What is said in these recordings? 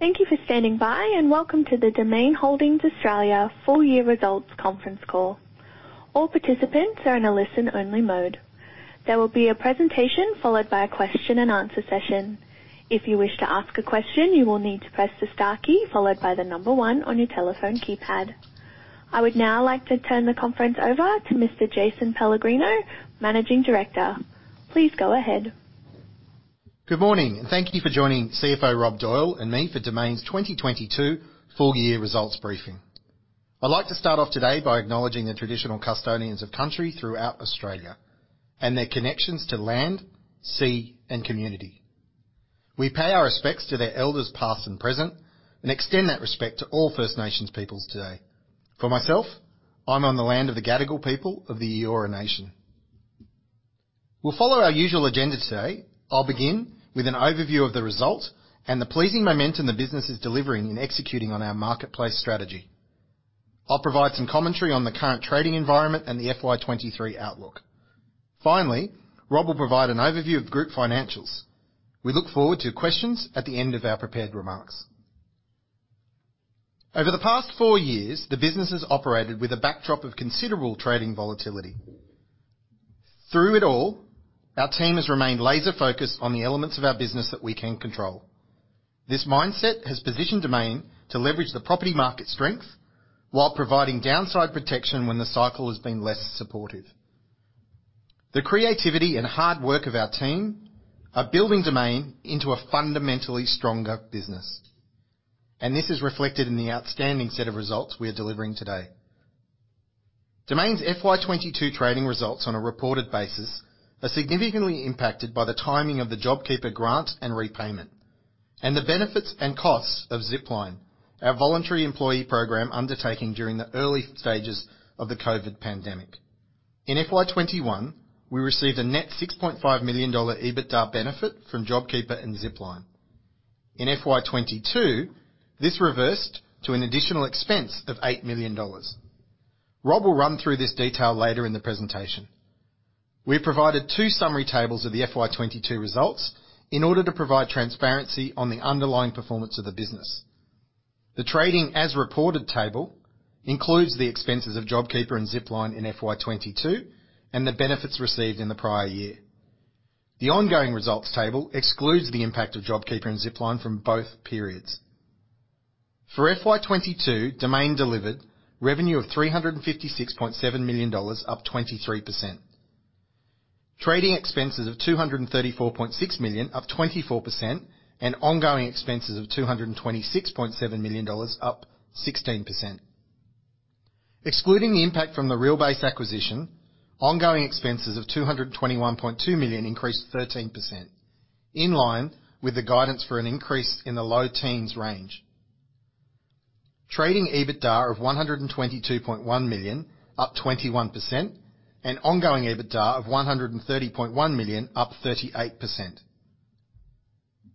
Thank you for standing by, and welcome to the Domain Holdings Australia Full Year Results Conference Call. All participants are in a listen-only mode. There will be a presentation followed by a question and answer session. If you wish to ask a question, you will need to press the star key followed by the number one on your telephone keypad. I would now like to turn the conference over to Mr. Jason Pellegrino, Managing Director. Please go ahead. Good morning, and thank you for joining CFO Rob Doyle and me for Domain's 2022 full year results briefing. I'd like to start off today by acknowledging the traditional custodians of country throughout Australia and their connections to land, sea, and community. We pay our respects to their elders, past and present, and extend that respect to all First Nations peoples today. For myself, I'm on the land of the Gadigal people of the Eora Nation. We'll follow our usual agenda today. I'll begin with an overview of the results and the pleasing momentum the business is delivering in executing on our marketplace strategy. I'll provide some commentary on the current trading environment and the FY 2023 outlook. Finally, Rob will provide an overview of group financials. We look forward to questions at the end of our prepared remarks. Over the past four years, the business has operated with a backdrop of considerable trading volatility. Through it all, our team has remained laser-focused on the elements of our business that we can control. This mindset has positioned Domain to leverage the property market strength while providing downside protection when the cycle has been less supportive. The creativity and hard work of our team are building Domain into a fundamentally stronger business, and this is reflected in the outstanding set of results we are delivering today. Domain's FY 2022 trading results on a reported basis are significantly impacted by the timing of the JobKeeper grant and repayment, and the benefits and costs of Zipline, our voluntary employee program undertaking during the early stages of the COVID-19 pandemic. In FY 2021, we received a net 6.5 million dollar EBITDA benefit from JobKeeper and Zipline. In FY 2022, this reversed to an additional expense of 8 million dollars. Rob will run through this detail later in the presentation. We have provided two summary tables of the FY 2022 results in order to provide transparency on the underlying performance of the business. The trading as reported table includes the expenses of JobKeeper and Zipline in FY 2022 and the benefits received in the prior year. The ongoing results table excludes the impact of JobKeeper and Zipline from both periods. For FY 2022, Domain delivered revenue of AUD 356.7 million, up 23%. Trading expenses of AUD 234.6 million, up 24%, and ongoing expenses of AUD 226.7 million, up 16%. Excluding the impact from the Realbase acquisition, ongoing expenses of 221.2 million increased 13%, in line with the guidance for an increase in the low teens range. Trading EBITDA of 122.1 million, up 21%, and ongoing EBITDA of 130.1 million, up 38%.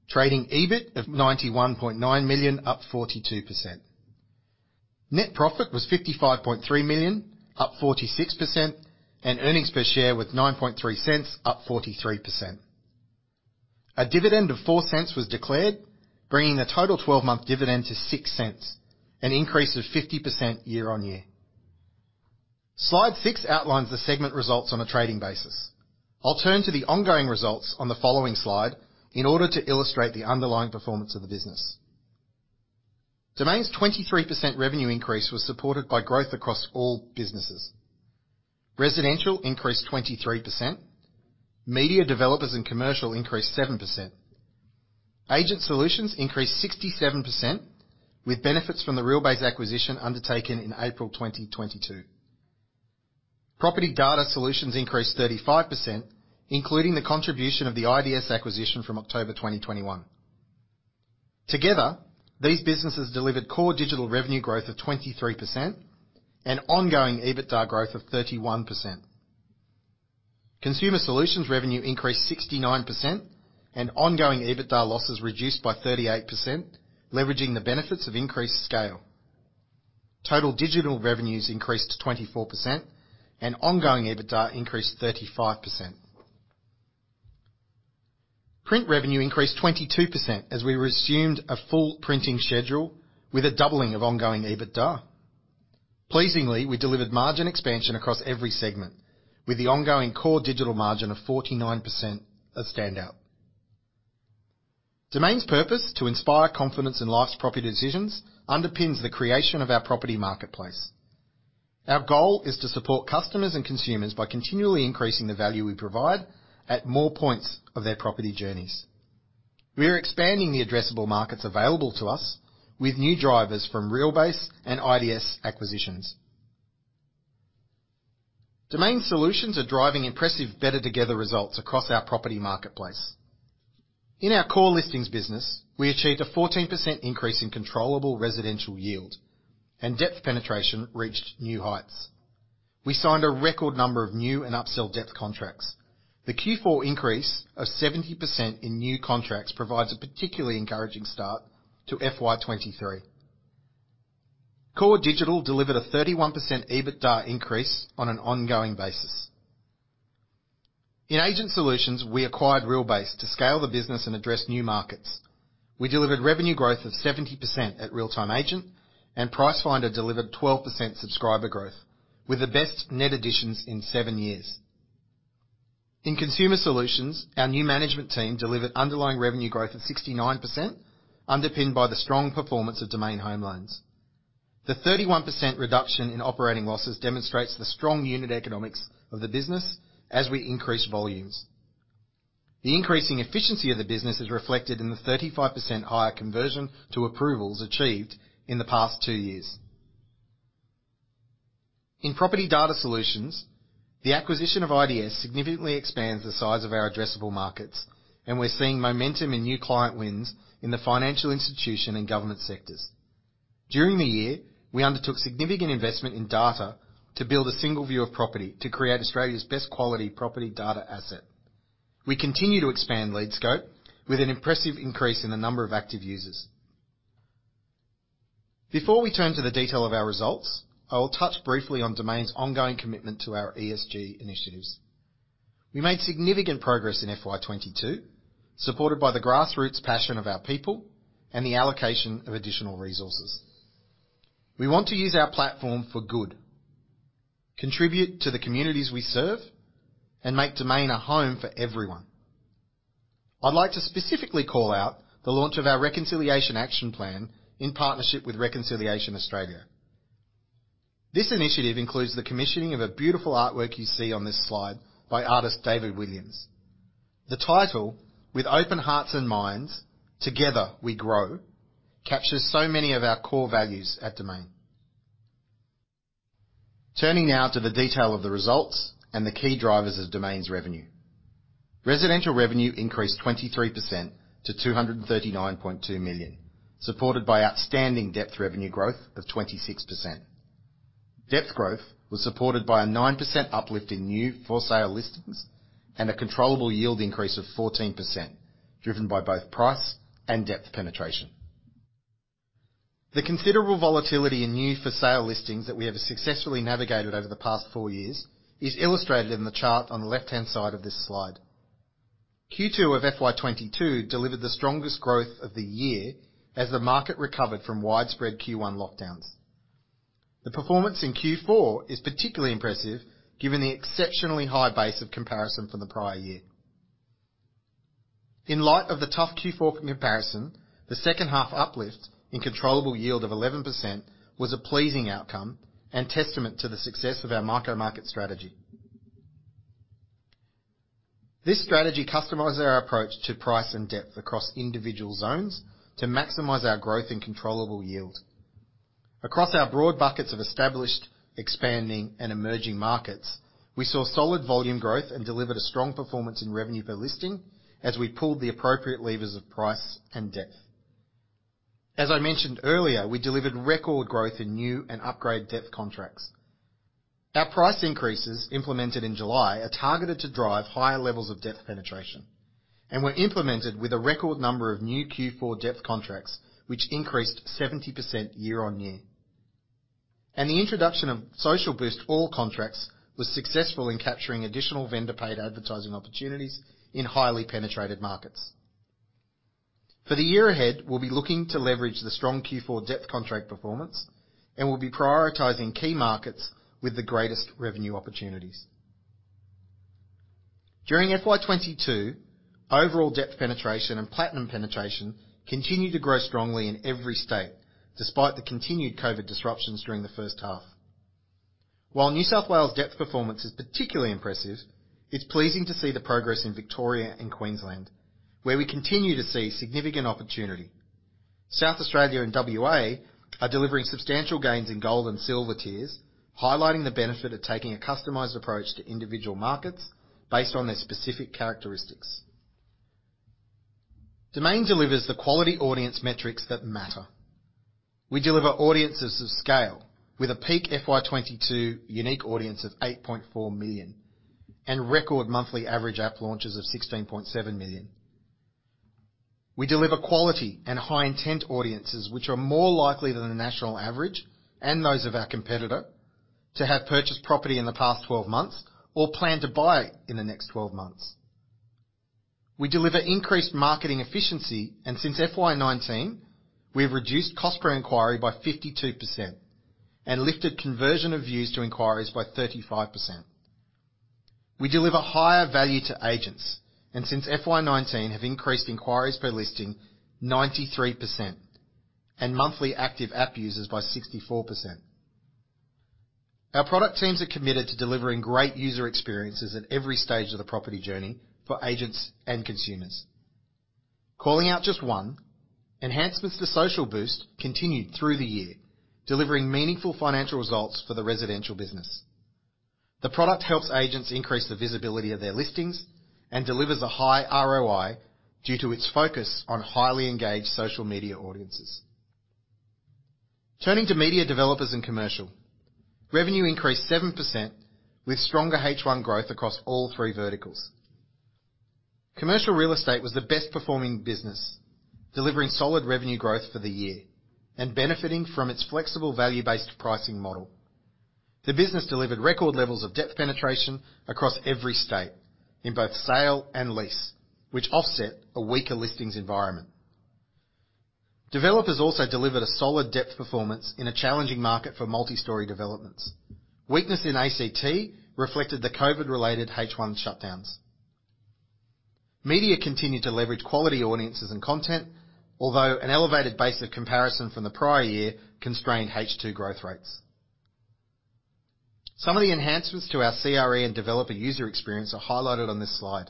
Trading EBIT of 91.9 million, up 42%. Net profit was 55.3 million, up 46%, and earnings per share with 0.093, up 43%. A dividend of 0.04 was declared, bringing the total 12-month dividend to 0.06, an increase of 50% year-on-year. Slide six outlines the segment results on a trading basis. I'll turn to the ongoing results on the following slide in order to illustrate the underlying performance of the business. Domain's 23% revenue increase was supported by growth across all businesses. Residential increased 23%, media developers and commercial increased 7%. Agent Solutions increased 67%, with benefits from the Realbase acquisition undertaken in April 2022. Property Data Solutions increased 35%, including the contribution of the IDS acquisition from October 2021. Together, these businesses delivered core digital revenue growth of 23% and ongoing EBITDA growth of 31%. Consumer Solutions revenue increased 69% and ongoing EBITDA losses reduced by 38%, leveraging the benefits of increased scale. Total digital revenues increased to 24% and ongoing EBITDA increased 35%. Print revenue increased 22% as we resumed a full printing schedule with a doubling of ongoing EBITDA. Pleasingly, we delivered margin expansion across every segment with the ongoing core digital margin of 49% a standout. Domain's purpose to inspire confidence in life's property decisions underpins the creation of our property marketplace. Our goal is to support customers and consumers by continually increasing the value we provide at more points of their property journeys. We are expanding the addressable markets available to us with new drivers from Realbase and IDS acquisitions. Domain Solutions are driving impressive better together results across our property marketplace. In our core listings business, we achieved a 14% increase in controllable residential yield and depth penetration reached new heights. We signed a record number of new and upsell depth contracts. The Q4 increase of 70% in new contracts provides a particularly encouraging start to FY 2023. Core digital delivered a 31% EBITDA increase on an ongoing basis. In Agent Solutions, we acquired Realbase to scale the business and address new markets. We delivered revenue growth of 70% at Real Time Agent, and Pricefinder delivered 12% subscriber growth with the best net additions in seven years. In Consumer Solutions, our new management team delivered underlying revenue growth of 69%, underpinned by the strong performance of Domain Home Loans. The 31% reduction in operating losses demonstrates the strong unit economics of the business as we increase volumes. The increasing efficiency of the business is reflected in the 35% higher conversion to approvals achieved in the past two years. In Property Data Solutions, the acquisition of IDS significantly expands the size of our addressable markets, and we're seeing momentum in new client wins in the financial institution and government sectors. During the year, we undertook significant investment in data to build a single view of property to create Australia's best quality property data asset. We continue to expand LeadScope with an impressive increase in the number of active users. Before we turn to the detail of our results, I will touch briefly on Domain's ongoing commitment to our ESG initiatives. We made significant progress in FY 2022, supported by the grassroots passion of our people and the allocation of additional resources. We want to use our platform for good, contribute to the communities we serve, and make Domain a home for everyone. I'd like to specifically call out the launch of our Reconciliation Action Plan in partnership with Reconciliation Australia. This initiative includes the commissioning of a beautiful artwork you see on this slide by artist David Williams. The title, With open hearts and minds, together we grow, captures so many of our core values at Domain. Turning now to the detail of the results and the key drivers of Domain's revenue. Residential revenue increased 23% to AUD 239.2 million, supported by outstanding Domain revenue growth of 26%. Domain growth was supported by a 9% uplift in new for sale listings and a controllable yield increase of 14%, driven by both price and Domain penetration. The considerable volatility in new for sale listings that we have successfully navigated over the past four years is illustrated in the chart on the left-hand side of this slide. Q2 of FY 2022 delivered the strongest growth of the year as the market recovered from widespread Q1 lockdowns. The performance in Q4 is particularly impressive given the exceptionally high base of comparison from the prior year. In light of the tough Q4 comparison, the second-half uplift in controllable yield of 11% was a pleasing outcome and testament to the success of our micro market strategy. This strategy customizes our approach to price and depth across individual zones to maximize our growth and controllable yield. Across our broad buckets of established, expanding, and emerging markets, we saw solid volume growth and delivered a strong performance in revenue per listing as we pulled the appropriate levers of price and depth. As I mentioned earlier, we delivered record growth in new and upgrade depth contracts. Our price increases implemented in July are targeted to drive higher levels of depth penetration and were implemented with a record number of new Q4 depth contracts, which increased 70% year-on-year. The introduction of Social Boost All contracts was successful in capturing additional vendor-paid advertising opportunities in highly penetrated markets. For the year ahead, we'll be looking to leverage the strong Q4 depth contract performance, and we'll be prioritizing key markets with the greatest revenue opportunities. During FY 2022, overall depth penetration and platinum penetration continued to grow strongly in every state, despite the continued COVID disruptions during the first half. While New South Wales depth performance is particularly impressive, it's pleasing to see the progress in Victoria and Queensland, where we continue to see significant opportunity. South Australia and WA are delivering substantial gains in gold and silver tiers, highlighting the benefit of taking a customized approach to individual markets based on their specific characteristics. Domain delivers the quality audience metrics that matter. We deliver audiences of scale with a peak FY 2022 unique audience of 8.4 million and record monthly average app launches of 16.7 million. We deliver quality and high intent audiences which are more likely than the national average and those of our competitor to have purchased property in the past 12 months or plan to buy in the next 12 months. We deliver increased marketing efficiency, and since FY 2019, we've reduced cost per inquiry by 52% and lifted conversion of views to inquiries by 35%. We deliver higher value to agents and since FY 2019 have increased inquiries per listing 93% and monthly active app users by 64%. Our product teams are committed to delivering great user experiences at every stage of the property journey for agents and consumers. Calling out just one, enhancements to Social Boost continued through the year, delivering meaningful financial results for the residential business. The product helps agents increase the visibility of their listings and delivers a high ROI due to its focus on highly engaged social media audiences. Turning to media developers and commercial, revenue increased 7% with stronger H1 growth across all three verticals. Commercial real estate was the best performing business, delivering solid revenue growth for the year and benefiting from its flexible value-based pricing model. The business delivered record levels of depth penetration across every state in both sale and lease, which offset a weaker listings environment. Developers also delivered a solid depth performance in a challenging market for multi-story developments. Weakness in ACT reflected the COVID-related H1 shutdowns. Media continued to leverage quality audiences and content, although an elevated base of comparison from the prior year constrained H2 growth rates. Some of the enhancements to our CRE and developer user experience are highlighted on this slide.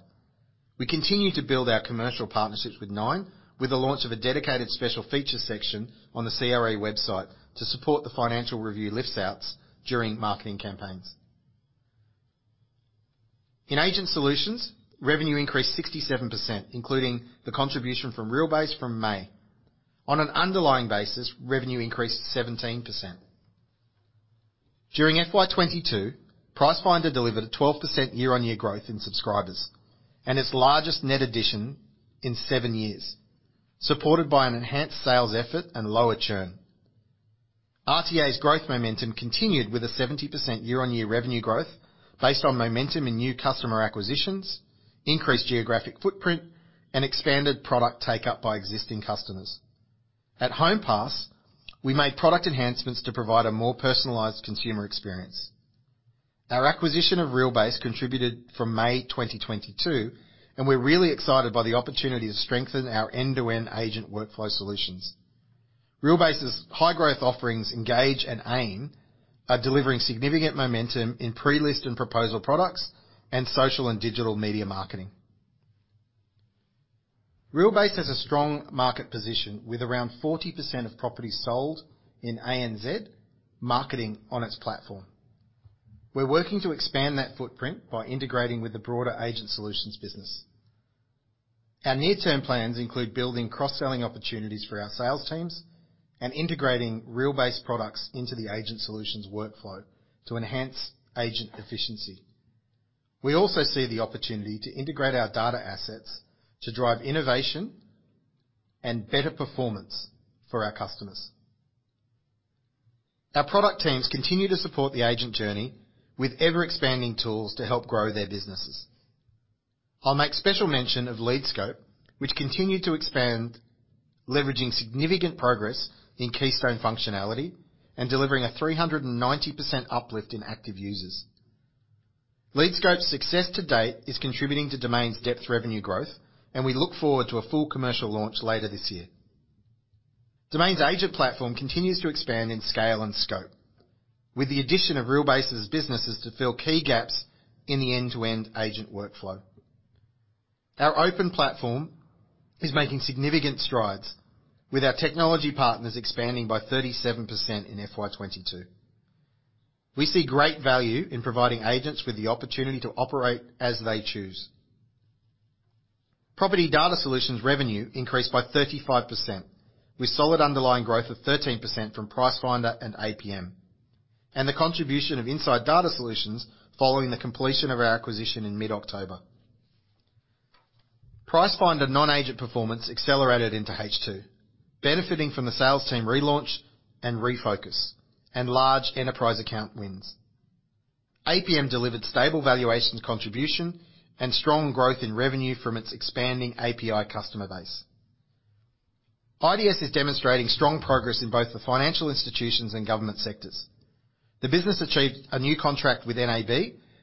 We continue to build our commercial partnerships with Nine, with the launch of a dedicated special feature section on the CRE website to support the Financial Review lift-outs during marketing campaigns. In Agent Solutions, revenue increased 67%, including the contribution from Realbase from May. On an underlying basis, revenue increased 17%. During FY 2022, Pricefinder delivered a 12% year-on-year growth in subscribers and its largest net addition in seven years, supported by an enhanced sales effort and lower churn. RTA's growth momentum continued with a 70% year-on-year revenue growth based on momentum in new customer acquisitions, increased geographic footprint, and expanded product uptake by existing customers. At Homepass, we made product enhancements to provide a more personalized consumer experience. Our acquisition of Realbase contributed from May 2022, and we're really excited by the opportunity to strengthen our end-to-end agent workflow solutions. Realbase's high growth offerings, Engage and AIM, are delivering significant momentum in pre-list and proposal products and social and digital media marketing. Realbase has a strong market position with around 40% of properties sold in ANZ marketing on its platform. We're working to expand that footprint by integrating with the broader Agent Solutions business. Our near-term plans include building cross-selling opportunities for our sales teams and integrating Realbase products into the Agent Solutions workflow to enhance agent efficiency. We also see the opportunity to integrate our data assets to drive innovation and better performance for our customers. Our product teams continue to support the agent journey with ever-expanding tools to help grow their businesses. I'll make special mention of LeadScope, which continued to expand, leveraging significant progress in Keystone functionality and delivering a 390% uplift in active users. LeadScope's success to date is contributing to Domain's depth revenue growth, and we look forward to a full commercial launch later this year. Domain's agent platform continues to expand in scale and scope, with the addition of Realbase's businesses to fill key gaps in the end-to-end agent workflow. Our open platform is making significant strides with our technology partners expanding by 37% in FY 2022. We see great value in providing agents with the opportunity to operate as they choose. Property data solutions revenue increased by 35%, with solid underlying growth of 13% from Pricefinder and APM, and the contribution of Insight Data Solutions following the completion of our acquisition in mid-October. Pricefinder non-agent performance accelerated into H2, benefiting from the sales team relaunch and refocus, and large enterprise account wins. APM delivered stable valuations contribution and strong growth in revenue from its expanding API customer base. IDS is demonstrating strong progress in both the financial institutions and government sectors. The business achieved a new contract with NAB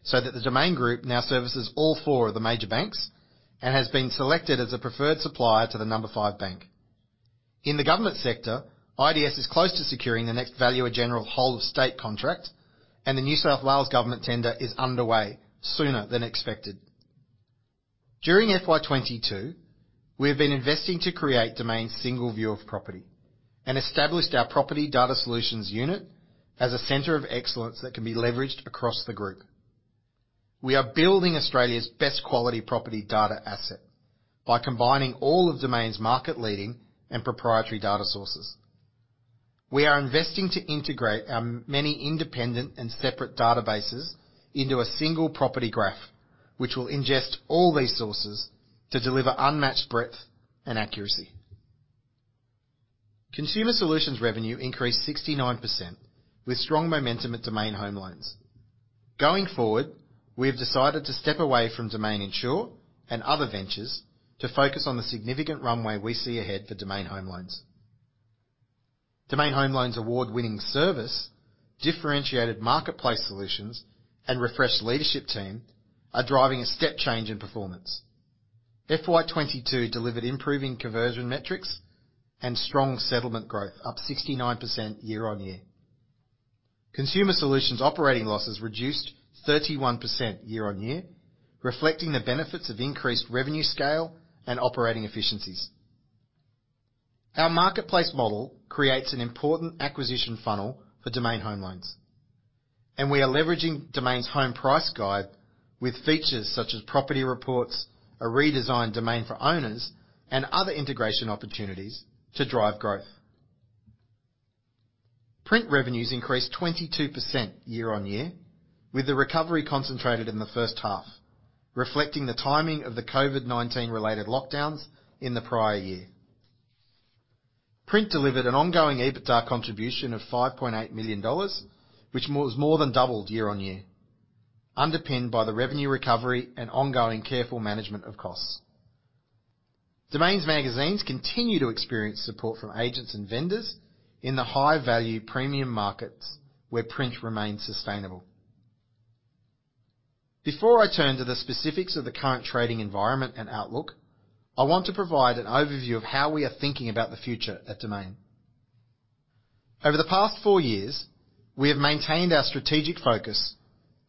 so that the Domain Group now services all four of the major banks and has been selected as a preferred supplier to the number five bank. In the government sector, IDS is close to securing the next Valuer-General whole-of-state contract, and the New South Wales government tender is underway sooner than expected. During FY 2022, we have been investing to create Domain's single view of property and established our property data solutions unit as a center of excellence that can be leveraged across the group. We are building Australia's best quality property data asset by combining all of Domain's market-leading and proprietary data sources. We are investing to integrate our many independent and separate databases into a single property graph, which will ingest all these sources to deliver unmatched breadth and accuracy. Consumer Solutions revenue increased 69% with strong momentum at Domain Home Loans. Going forward, we have decided to step away from Domain Insure and other ventures to focus on the significant runway we see ahead for Domain Home Loans. Domain Home Loans' award-winning service, differentiated marketplace solutions, and refreshed leadership team are driving a step change in performance. FY 2022 delivered improving conversion metrics and strong settlement growth, up 69% year-over-year. Consumer Solutions operating losses reduced 31% year-over-year, reflecting the benefits of increased revenue scale and operating efficiencies. Our marketplace model creates an important acquisition funnel for Domain Home Loans, and we are leveraging Domain's home price guide with features such as property reports, a redesigned Domain for owners, and other integration opportunities to drive growth. Print revenues increased 22% year-on-year, with the recovery concentrated in the first half, reflecting the timing of the COVID-19 related lockdowns in the prior year. Print delivered an ongoing EBITDA contribution of 5.8 million dollars, which more than doubled year-on-year, underpinned by the revenue recovery and ongoing careful management of costs. Domain's magazines continue to experience support from agents and vendors in the high value premium markets where print remains sustainable. Before I turn to the specifics of the current trading environment and outlook, I want to provide an overview of how we are thinking about the future at Domain. Over the past four years, we have maintained our strategic focus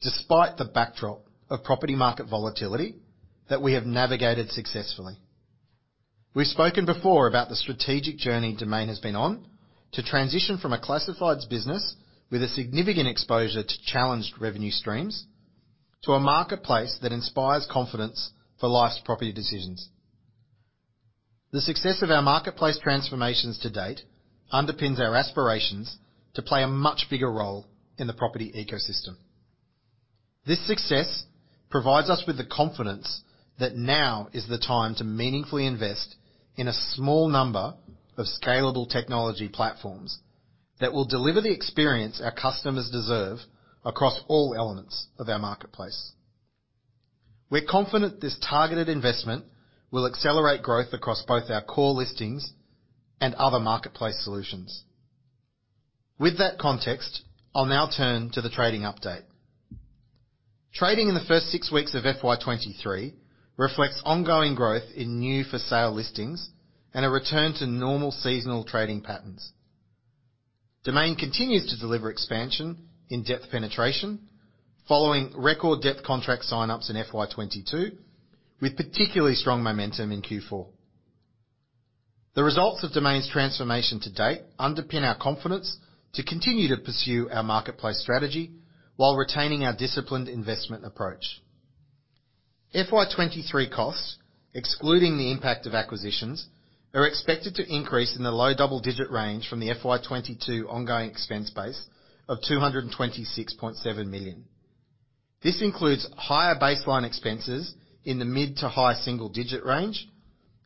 despite the backdrop of property market volatility that we have navigated successfully. We've spoken before about the strategic journey Domain has been on to transition from a classifieds business with a significant exposure to challenged revenue streams, to a marketplace that inspires confidence for life's property decisions. The success of our marketplace transformations to date underpins our aspirations to play a much bigger role in the property ecosystem. This success provides us with the confidence that now is the time to meaningfully invest in a small number of scalable technology platforms that will deliver the experience our customers deserve across all elements of our marketplace. We're confident this targeted investment will accelerate growth across both our core listings and other marketplace solutions. With that context, I'll now turn to the trading update. Trading in the first six weeks of FY 2023 reflects ongoing growth in new for sale listings and a return to normal seasonal trading patterns. Domain continues to deliver expansion in depth penetration following record depth contract signups in FY 2022, with particularly strong momentum in Q4. The results of Domain's transformation to date underpin our confidence to continue to pursue our marketplace strategy while retaining our disciplined investment approach. FY 2023 costs, excluding the impact of acquisitions, are expected to increase in the low double-digit range from the FY 2022 ongoing expense base of AUD 226.7 million. This includes higher baseline expenses in the mid to high single digit range,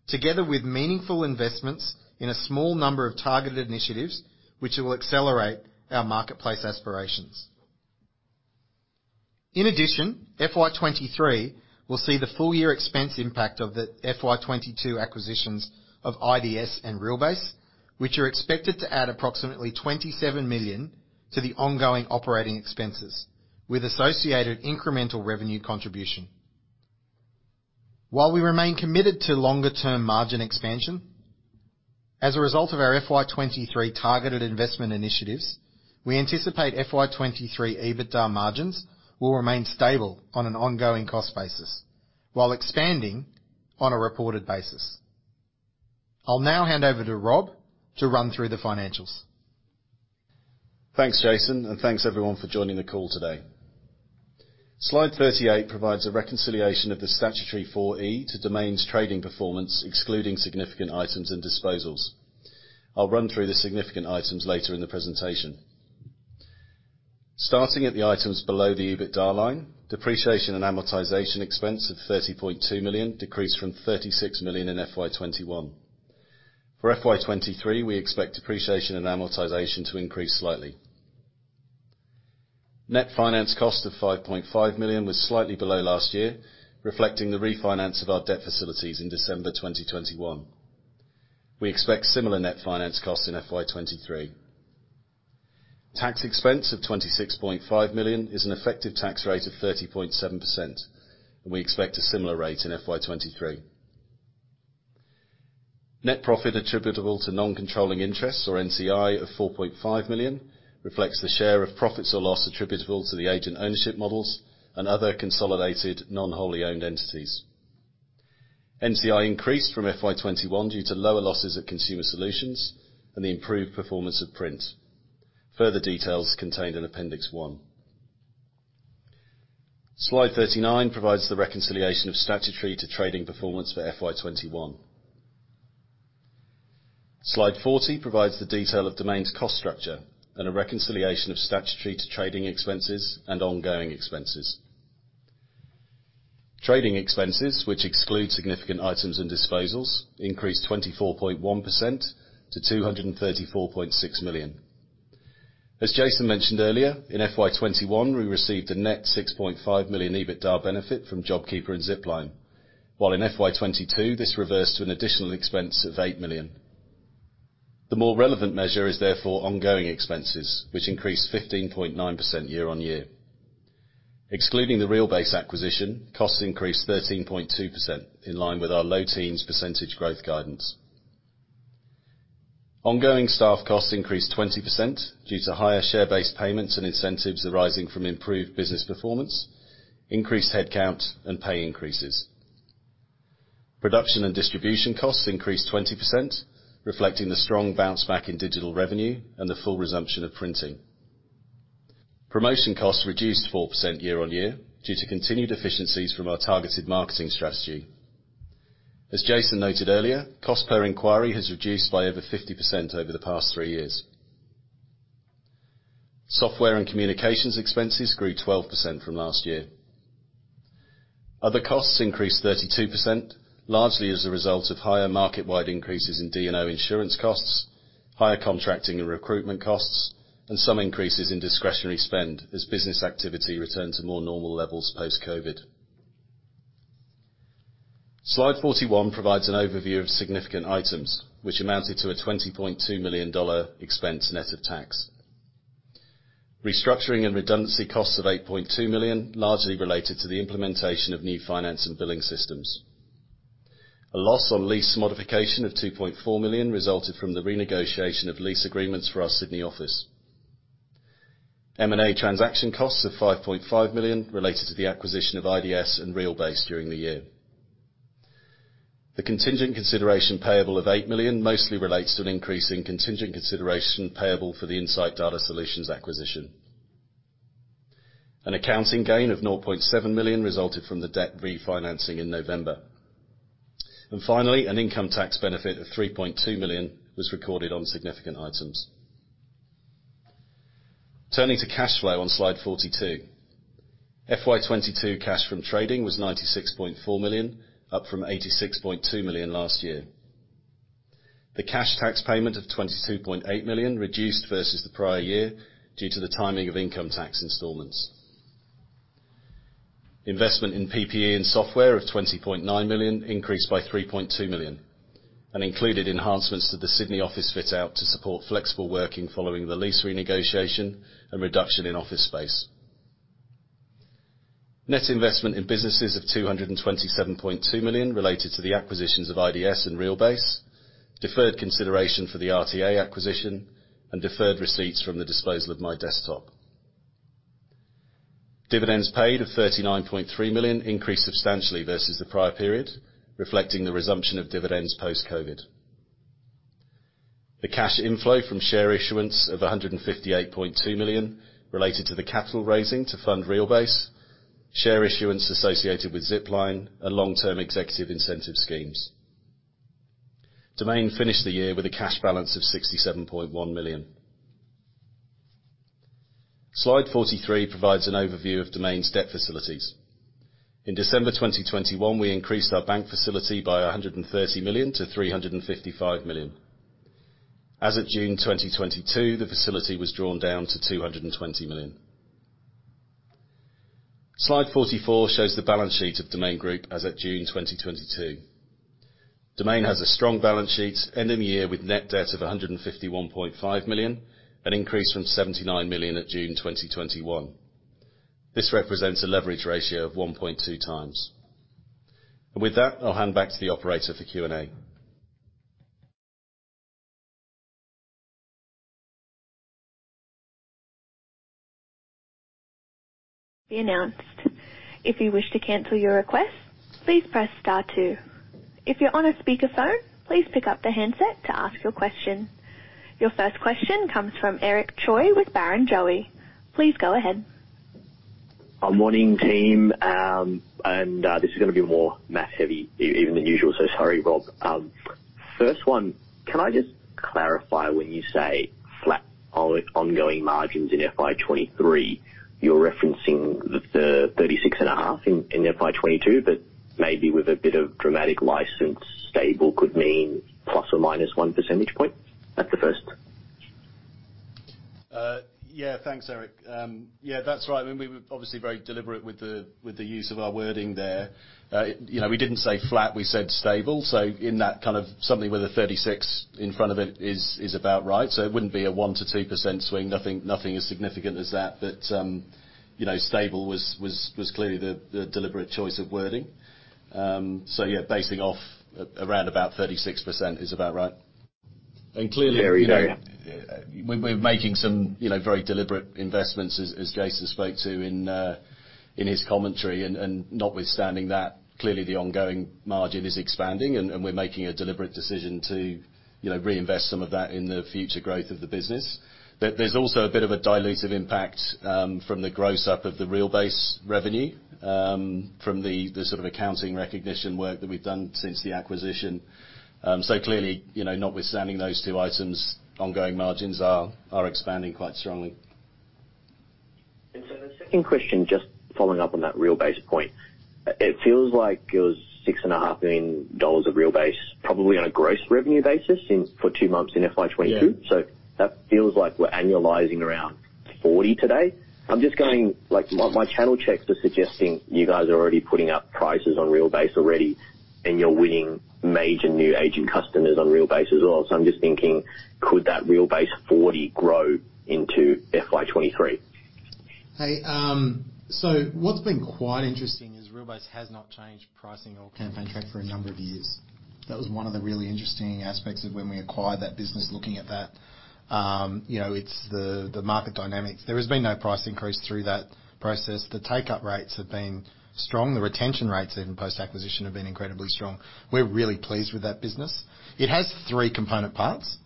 together with meaningful investments in a small number of targeted initiatives which will accelerate our marketplace aspirations. In addition, FY 2023 will see the full year expense impact of the FY 2022 acquisitions of IDS and Realbase, which are expected to add approximately 27 million to the ongoing operating expenses, with associated incremental revenue contribution. While we remain committed to longer term margin expansion, as a result of our FY 2023 targeted investment initiatives, we anticipate FY 2023 EBITDA margins will remain stable on an ongoing cost basis, while expanding on a reported basis. I'll now hand over to Rob to run through the financials. Thanks, Jason, and thanks everyone for joining the call today. Slide 38 provides a reconciliation of the statutory Appendix 4E to Domain's trading performance, excluding significant items and disposals. I'll run through the significant items later in the presentation. Starting at the items below the EBITDA line, depreciation and amortization expense of 30.2 million decreased from 36 million in FY 2021. For FY 2023, we expect depreciation and amortization to increase slightly. Net finance cost of 5.5 million was slightly below last year, reflecting the refinance of our debt facilities in December 2021. We expect similar net finance costs in FY 2023. Tax expense of 26.5 million is an effective tax rate of 30.7%, and we expect a similar rate in FY 2023. Net profit attributable to Non-Controlling Interests, or NCI, of 4.5 million reflects the share of profits or loss attributable to the agent ownership models and other consolidated non-wholly owned entities. NCI increased from FY 2021 due to lower losses at Consumer Solutions and the improved performance of Print. Further details contained in Appendix 1. Slide 39 provides the reconciliation of statutory to trading performance for FY 2021. Slide 40 provides the detail of Domain's cost structure and a reconciliation of statutory to trading expenses and ongoing expenses. Trading expenses, which exclude significant items and disposals, increased 24.1% to 234.6 million. As Jason mentioned earlier, in FY 2021, we received a net 6.5 million EBITDA benefit from JobKeeper and Zipline. While in FY 2022, this reversed to an additional expense of 8 million. The more relevant measure is therefore ongoing expenses, which increased 15.9% year-on-year. Excluding the Realbase acquisition, costs increased 13.2% in line with our low teens percentage growth guidance. Ongoing staff costs increased 20% due to higher share-based payments and incentives arising from improved business performance, increased headcount, and pay increases. Production and distribution costs increased 20%, reflecting the strong bounce back in digital revenue and the full resumption of printing. Promotion costs reduced 4% year-on-year due to continued efficiencies from our targeted marketing strategy. As Jason noted earlier, cost per inquiry has reduced by over 50% over the past three years. Software and communications expenses grew 12% from last year. Other costs increased 32%, largely as a result of higher market-wide increases in D&O insurance costs, higher contracting and recruitment costs, and some increases in discretionary spend as business activity returned to more normal levels post-COVID. Slide 41 provides an overview of significant items which amounted to an 20.2 million dollar expense net of tax. Restructuring and redundancy costs of 8.2 million, largely related to the implementation of new finance and billing systems. A loss on lease modification of 2.4 million resulted from the renegotiation of lease agreements for our Sydney office. M&A transaction costs of 5.5 million related to the acquisition of IDS and Realbase during the year. The contingent consideration payable of 8 million mostly relates to an increase in contingent consideration payable for the Insight Data Solutions acquisition. An accounting gain of 0.7 million resulted from the debt refinancing in November. Finally, an income tax benefit of 3.2 million was recorded on significant items. Turning to cash flow on slide 42. FY 2022 cash from trading was 96.4 million, up from 86.2 million last year. The cash tax payment of 22.8 million reduced versus the prior year due to the timing of income tax installments. Investment in PPE and software of 20.9 million increased by 3.2 million, and included enhancements to the Sydney office fit-out to support flexible working following the lease renegotiation and reduction in office space. Net investment in businesses of 227.2 million related to the acquisitions of IDS and Realbase, deferred consideration for the RTA acquisition and deferred receipts from the disposal of MyDesktop. Dividends paid of 39.3 million increased substantially versus the prior period, reflecting the resumption of dividends post-COVID. The cash inflow from share issuance of 158.2 million related to the capital raising to fund Realbase, share issuance associated with Zipline and long-term executive incentive schemes. Domain finished the year with a cash balance of 67.1 million. Slide 43 provides an overview of Domain's debt facilities. In December 2021, we increased our bank facility by 130 million to 355 million. As of June 2022, the facility was drawn down to 220 million. Slide 44 shows the balance sheet of Domain Group as at June 2022. Domain has a strong balance sheet, ending the year with net debt of 151.5 million, an increase from 79 million at June 2021. This represents a leverage ratio of 1.2 times. With that, I'll hand back to the operator for Q&A. Be announced. If you wish to cancel your request, please press star two. If you're on a speakerphone, please pick up the handset to ask your question. Your first question comes from Eric Choi with Barrenjoey. Please go ahead. Morning, team. This is gonna be more math heavy even than usual. Sorry, Rob. First one, can I just clarify when you say flat ongoing margins in FY 2023, you're referencing the 36.5% in FY 2022, but maybe with a bit of dramatic license, stable could mean plus or minus 1 percentage point? That's the first. Yeah. Thanks, Eric. Yeah, that's right. I mean, we were obviously very deliberate with the use of our wording there. You know, we didn't say flat, we said stable. In that kind of something with a 36% in front of it is about right. It wouldn't be a 1%-2% swing. Nothing as significant as that. You know, stable was clearly the deliberate choice of wording. Yeah, basing off around about 36% is about right. Very noted. Clearly, you know, we're making some, you know, very deliberate investments as Jason spoke to in his commentary. Notwithstanding that, clearly the ongoing margin is expanding and we're making a deliberate decision to, you know, reinvest some of that in the future growth of the business. But there's also a bit of a dilutive impact from the gross up of the Realbase revenue from the sort of accounting recognition work that we've done since the acquisition. Clearly, you know, notwithstanding those two items, ongoing margins are expanding quite strongly. The second question, just following up on that Realbase point. It feels like it was 6.5 million dollars of Realbase, probably on a gross revenue basis in for two months in FY 2022. Yeah. That feels like we're annualizing around 40 today. I'm just going, like my channel checks are suggesting you guys are already putting up prices on Realbase already, and you're winning major new agent customers on Realbase as well. I'm just thinking, could that Realbase 40 grow into FY 2023? Hey, what's been quite interesting is Realbase has not changed pricing or CampaignTrack for a number of years. That was one of the really interesting aspects of when we acquired that business looking at that. You know, it's the market dynamics. There has been no price increase through that process. The take-up rates have been strong. The retention rates even post-acquisition have been incredibly strong. We're really pleased with that business. It has three component parts.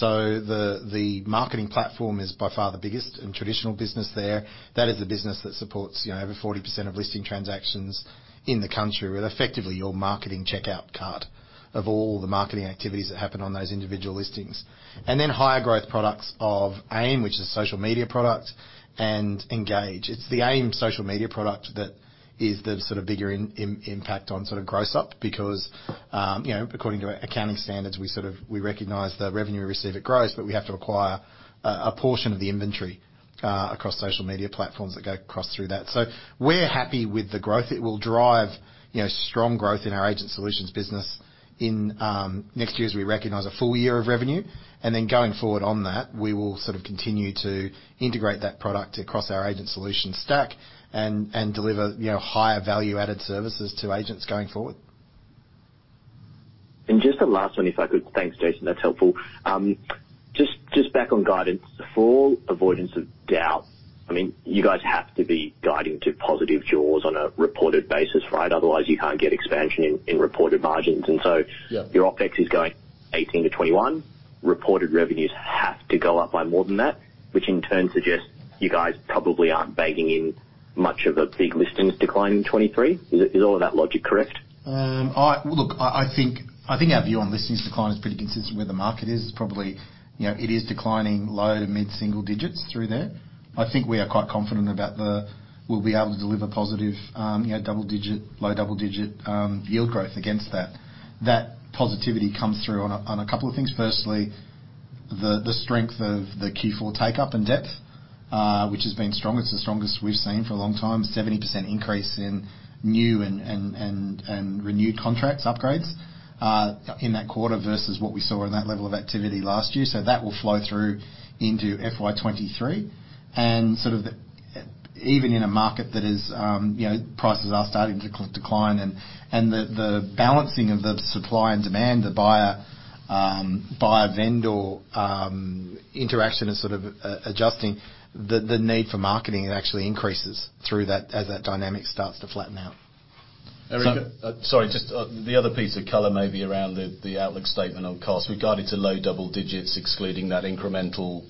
The marketing platform is by far the biggest and traditional business there. That is the business that supports, you know, over 40% of listing transactions in the country with effectively your marketing checkout cart of all the marketing activities that happen on those individual listings. Higher growth products of AIM, which is social media product and Engage. It's the AIM social media product that is the sort of bigger impact on sort of gross up because, you know, according to accounting standards, we sort of recognize the revenue we receive. It grows, but we have to acquire a portion of the inventory across social media platforms that go across through that. We're happy with the growth. It will drive, you know, strong growth in our agent solutions business in next year as we recognize a full year of revenue. Going forward on that, we will sort of continue to integrate that product across our agent solution stack and deliver, you know, higher value-added services to agents going forward. Just a last one, if I could. Thanks, Jason. That's helpful. Just back on guidance. For all avoidance of doubt, I mean, you guys have to be guiding to positive jaws on a reported basis, right? Otherwise, you can't get expansion in reported margins. Yeah. Your OpEx is going 18%-21%. Reported revenues have to go up by more than that, which in turn suggests you guys probably aren't baking in much of a big listings decline in 2023. Is all of that logic correct? Look, I think our view on listings decline is pretty consistent with the market. It's probably, you know, it is declining low to mid single digits through there. I think we are quite confident about we'll be able to deliver positive, you know, double digit, low double digit, yield growth against that. That positivity comes through on a couple of things. Firstly, the strength of the Q4 take-up and depth, which has been strong. It's the strongest we've seen for a long time. 70% increase in new and renewed contracts upgrades in that quarter versus what we saw in that level of activity last year. That will flow through into FY 2023. Sort of even in a market that is, you know, prices are starting to decline and the balancing of the supply and demand, the buyer vendor interaction is sort of adjusting, the need for marketing actually increases through that as that dynamic starts to flatten out. Eric, sorry, just the other piece of color may be around the outlook statement on cost. We guided to low double digits, excluding that incremental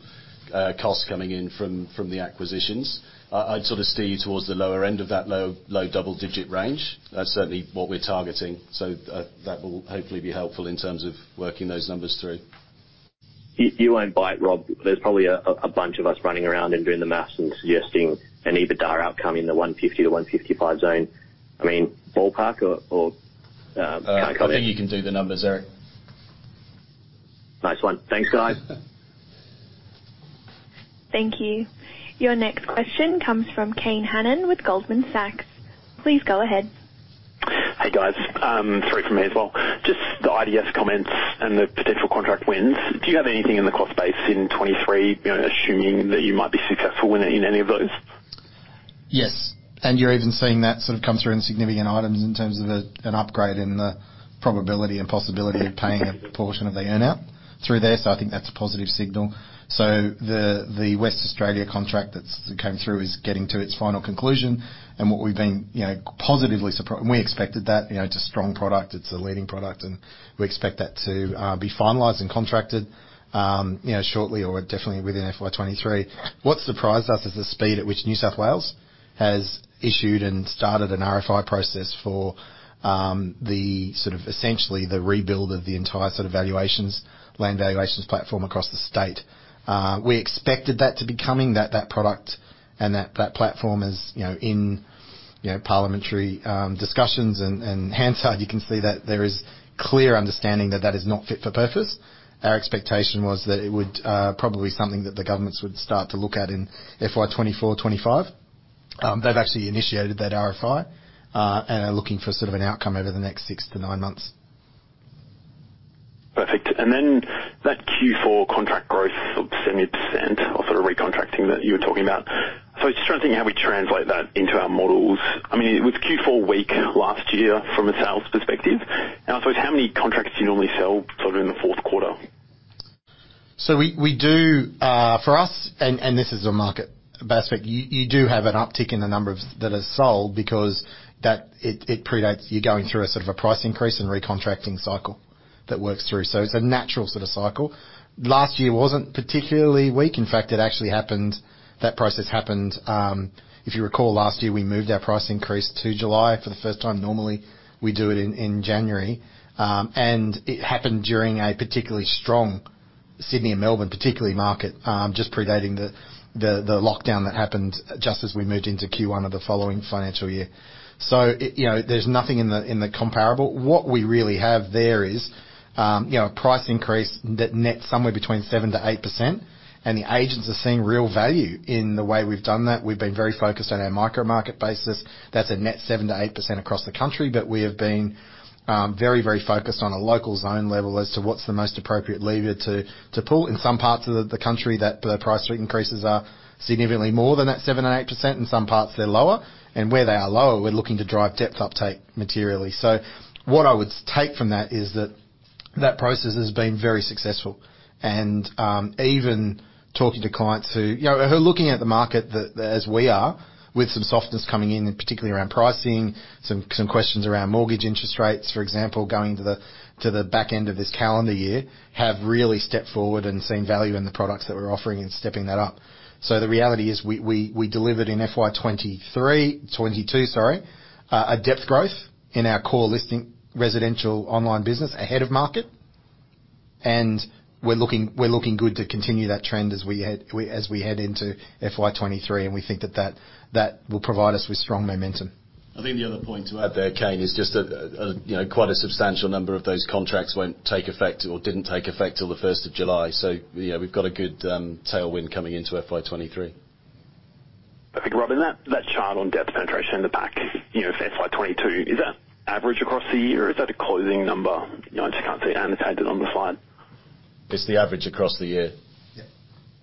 cost coming in from the acquisitions. I'd sort of steer you towards the lower end of that low double-digit range. That's certainly what we're targeting. That will hopefully be helpful in terms of working those numbers through. You won't bite, Rob. There's probably a bunch of us running around and doing the math and suggesting an EBITDA outcome in the 150-155 zone. I mean, ballpark or kind of. I think you can do the numbers, Eric. Nice one. Thanks, guys. Thank you. Your next question comes from Kane Hannan with Goldman Sachs. Please go ahead. Hey, guys. Three from me as well. Just the IDS comments and the potential contract wins. Do you have anything in the cost base in 2023, you know, assuming that you might be successful in any of those? Yes. You're even seeing that sort of come through in significant items in terms of an upgrade in the probability and possibility of paying a portion of the earn-out through there. I think that's a positive signal. The Western Australia contract that's came through is getting to its final conclusion and we expected that, you know, it's a strong product, it's a leading product, and we expect that to be finalized and contracted, you know, shortly or definitely within FY 2023. What surprised us is the speed at which New South Wales has issued and started an RFI process for the sort of essentially the rebuild of the entire sort of valuations, land valuations platform across the state. We expected that to be coming, that product and that platform is, you know, in parliamentary discussions, and in hindsight, you can see that there is clear understanding that that is not fit for purpose. Our expectation was that it would probably be something that the governments would start to look at in FY 2024/2025. They've actually initiated that RFI and are looking for sort of an outcome over the next six-nine months. Perfect. Then that Q4 contract growth of 70% or sort of recontracting that you were talking about. I'm just trying to think how we translate that into our models. I mean, was Q4 weak last year from a sales perspective? I suppose how many contracts do you normally sell sort of in the fourth quarter? We do for us, this is a market-based, you do have an uptick in the number of that are sold because it predates your going through a sort of a price increase and recontracting cycle that works through. It's a natural sort of cycle. Last year wasn't particularly weak. In fact, it actually happened. That process happened, if you recall last year, we moved our price increase to July for the first time. Normally, we do it in January. It happened during a particularly strong Sydney and Melbourne market just predating the lockdown that happened just as we moved into Q1 of the following financial year. There's nothing in the comparable. What we really have there is, you know, a price increase that nets somewhere between 7%-8%, and the agents are seeing real value in the way we've done that. We've been very focused on our micro-market basis. That's a net 7%-8% across the country. We have been very, very focused on a local zone level as to what's the most appropriate lever to pull. In some parts of the country, the price increases are significantly more than that 7%-8%. In some parts, they're lower. Where they are lower, we're looking to drive depth uptake materially. What I would take from that is that process has been very successful. Even talking to clients who, you know, who are looking at the market as we are, with some softness coming in, and particularly around pricing, some questions around mortgage interest rates, for example, going to the back end of this calendar year, have really stepped forward and seen value in the products that we're offering and stepping that up. The reality is we delivered in FY 2022, sorry, double-digit growth in our core listing residential online business ahead of market. We're looking good to continue that trend as we head into FY 2023, and we think that will provide us with strong momentum. I think the other point to add there, Kane, is just that, you know, quite a substantial number of those contracts won't take effect or didn't take effect till the first of July. You know, we've got a good tailwind coming into FY 2023. Perfect. Rob, in that chart on depth penetration in the back, you know, for FY 2022, is that average across the year, or is that a closing number? You know, I just can't see it and it's added on the slide. It's the average across the year. Yeah.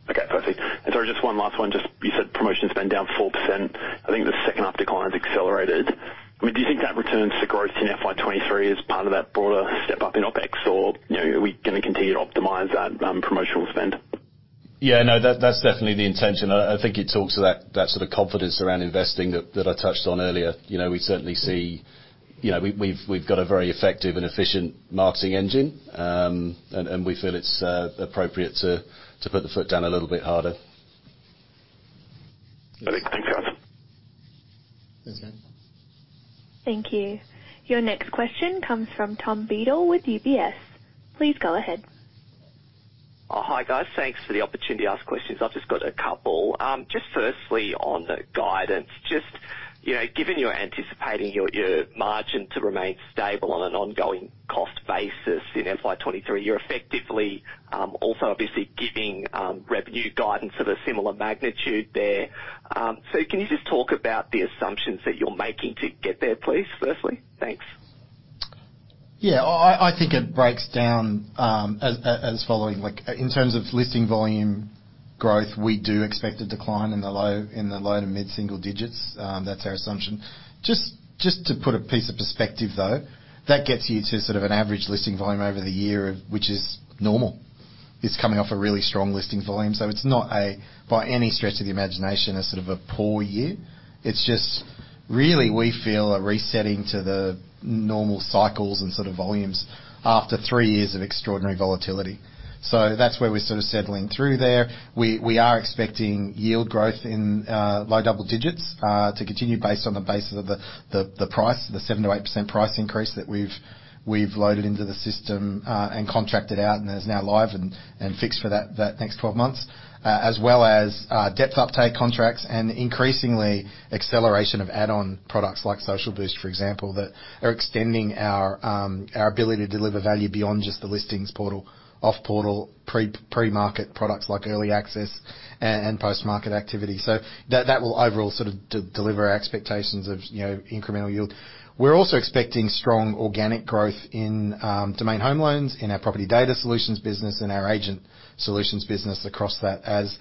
Okay, perfect. Sorry, just one last one. Just, you said promotion spend down 4%. I think the second half decline is accelerated. I mean, do you think that returns to growth in FY 2023 as part of that broader step up in OpEx? Or, you know, are we gonna continue to optimize that, promotional spend? Yeah, no, that's definitely the intention. I think it talks to that sort of confidence around investing that I touched on earlier. You know, we certainly see. You know, we've got a very effective and efficient marketing engine. We feel it's appropriate to put the foot down a little bit harder. Perfect. Thanks, guys. That's it. Thank you. Your next question comes from Tom Beadle with UBS. Please go ahead. Oh, hi, guys. Thanks for the opportunity to ask questions. I've just got a couple. Just firstly on the guidance. Just, you know, given you're anticipating your margin to remain stable on an ongoing cost basis in FY 2023, you're effectively also obviously giving revenue guidance of a similar magnitude there. So can you just talk about the assumptions that you're making to get there, please, firstly? Thanks. I think it breaks down as following. Like, in terms of listing volume growth, we do expect a decline in the low to mid-single digits. That's our assumption. Just to put a piece of perspective, though, that gets you to sort of an average listing volume over the year of, which is normal. It's coming off a really strong listing volume, so it's not, by any stretch of the imagination, a sort of poor year. It's just really, we feel, a resetting to the normal cycles and sort of volumes after three years of extraordinary volatility. That's where we're sort of settling through there. We are expecting yield growth in low double digits to continue based on the basis of the 7%-8% price increase that we've loaded into the system and contracted out and is now live and fixed for that next 12 months. As well as depth uptake contracts and increasingly acceleration of add-on products like Social Boost, for example, that are extending our ability to deliver value beyond just the listings portal, off portal, pre-market products like Early Access and post-market activity. That will overall sort of deliver our expectations of, you know, incremental yield. We're also expecting strong organic growth in Domain Home Loans, in our property data solutions business, in our agent solutions business across that as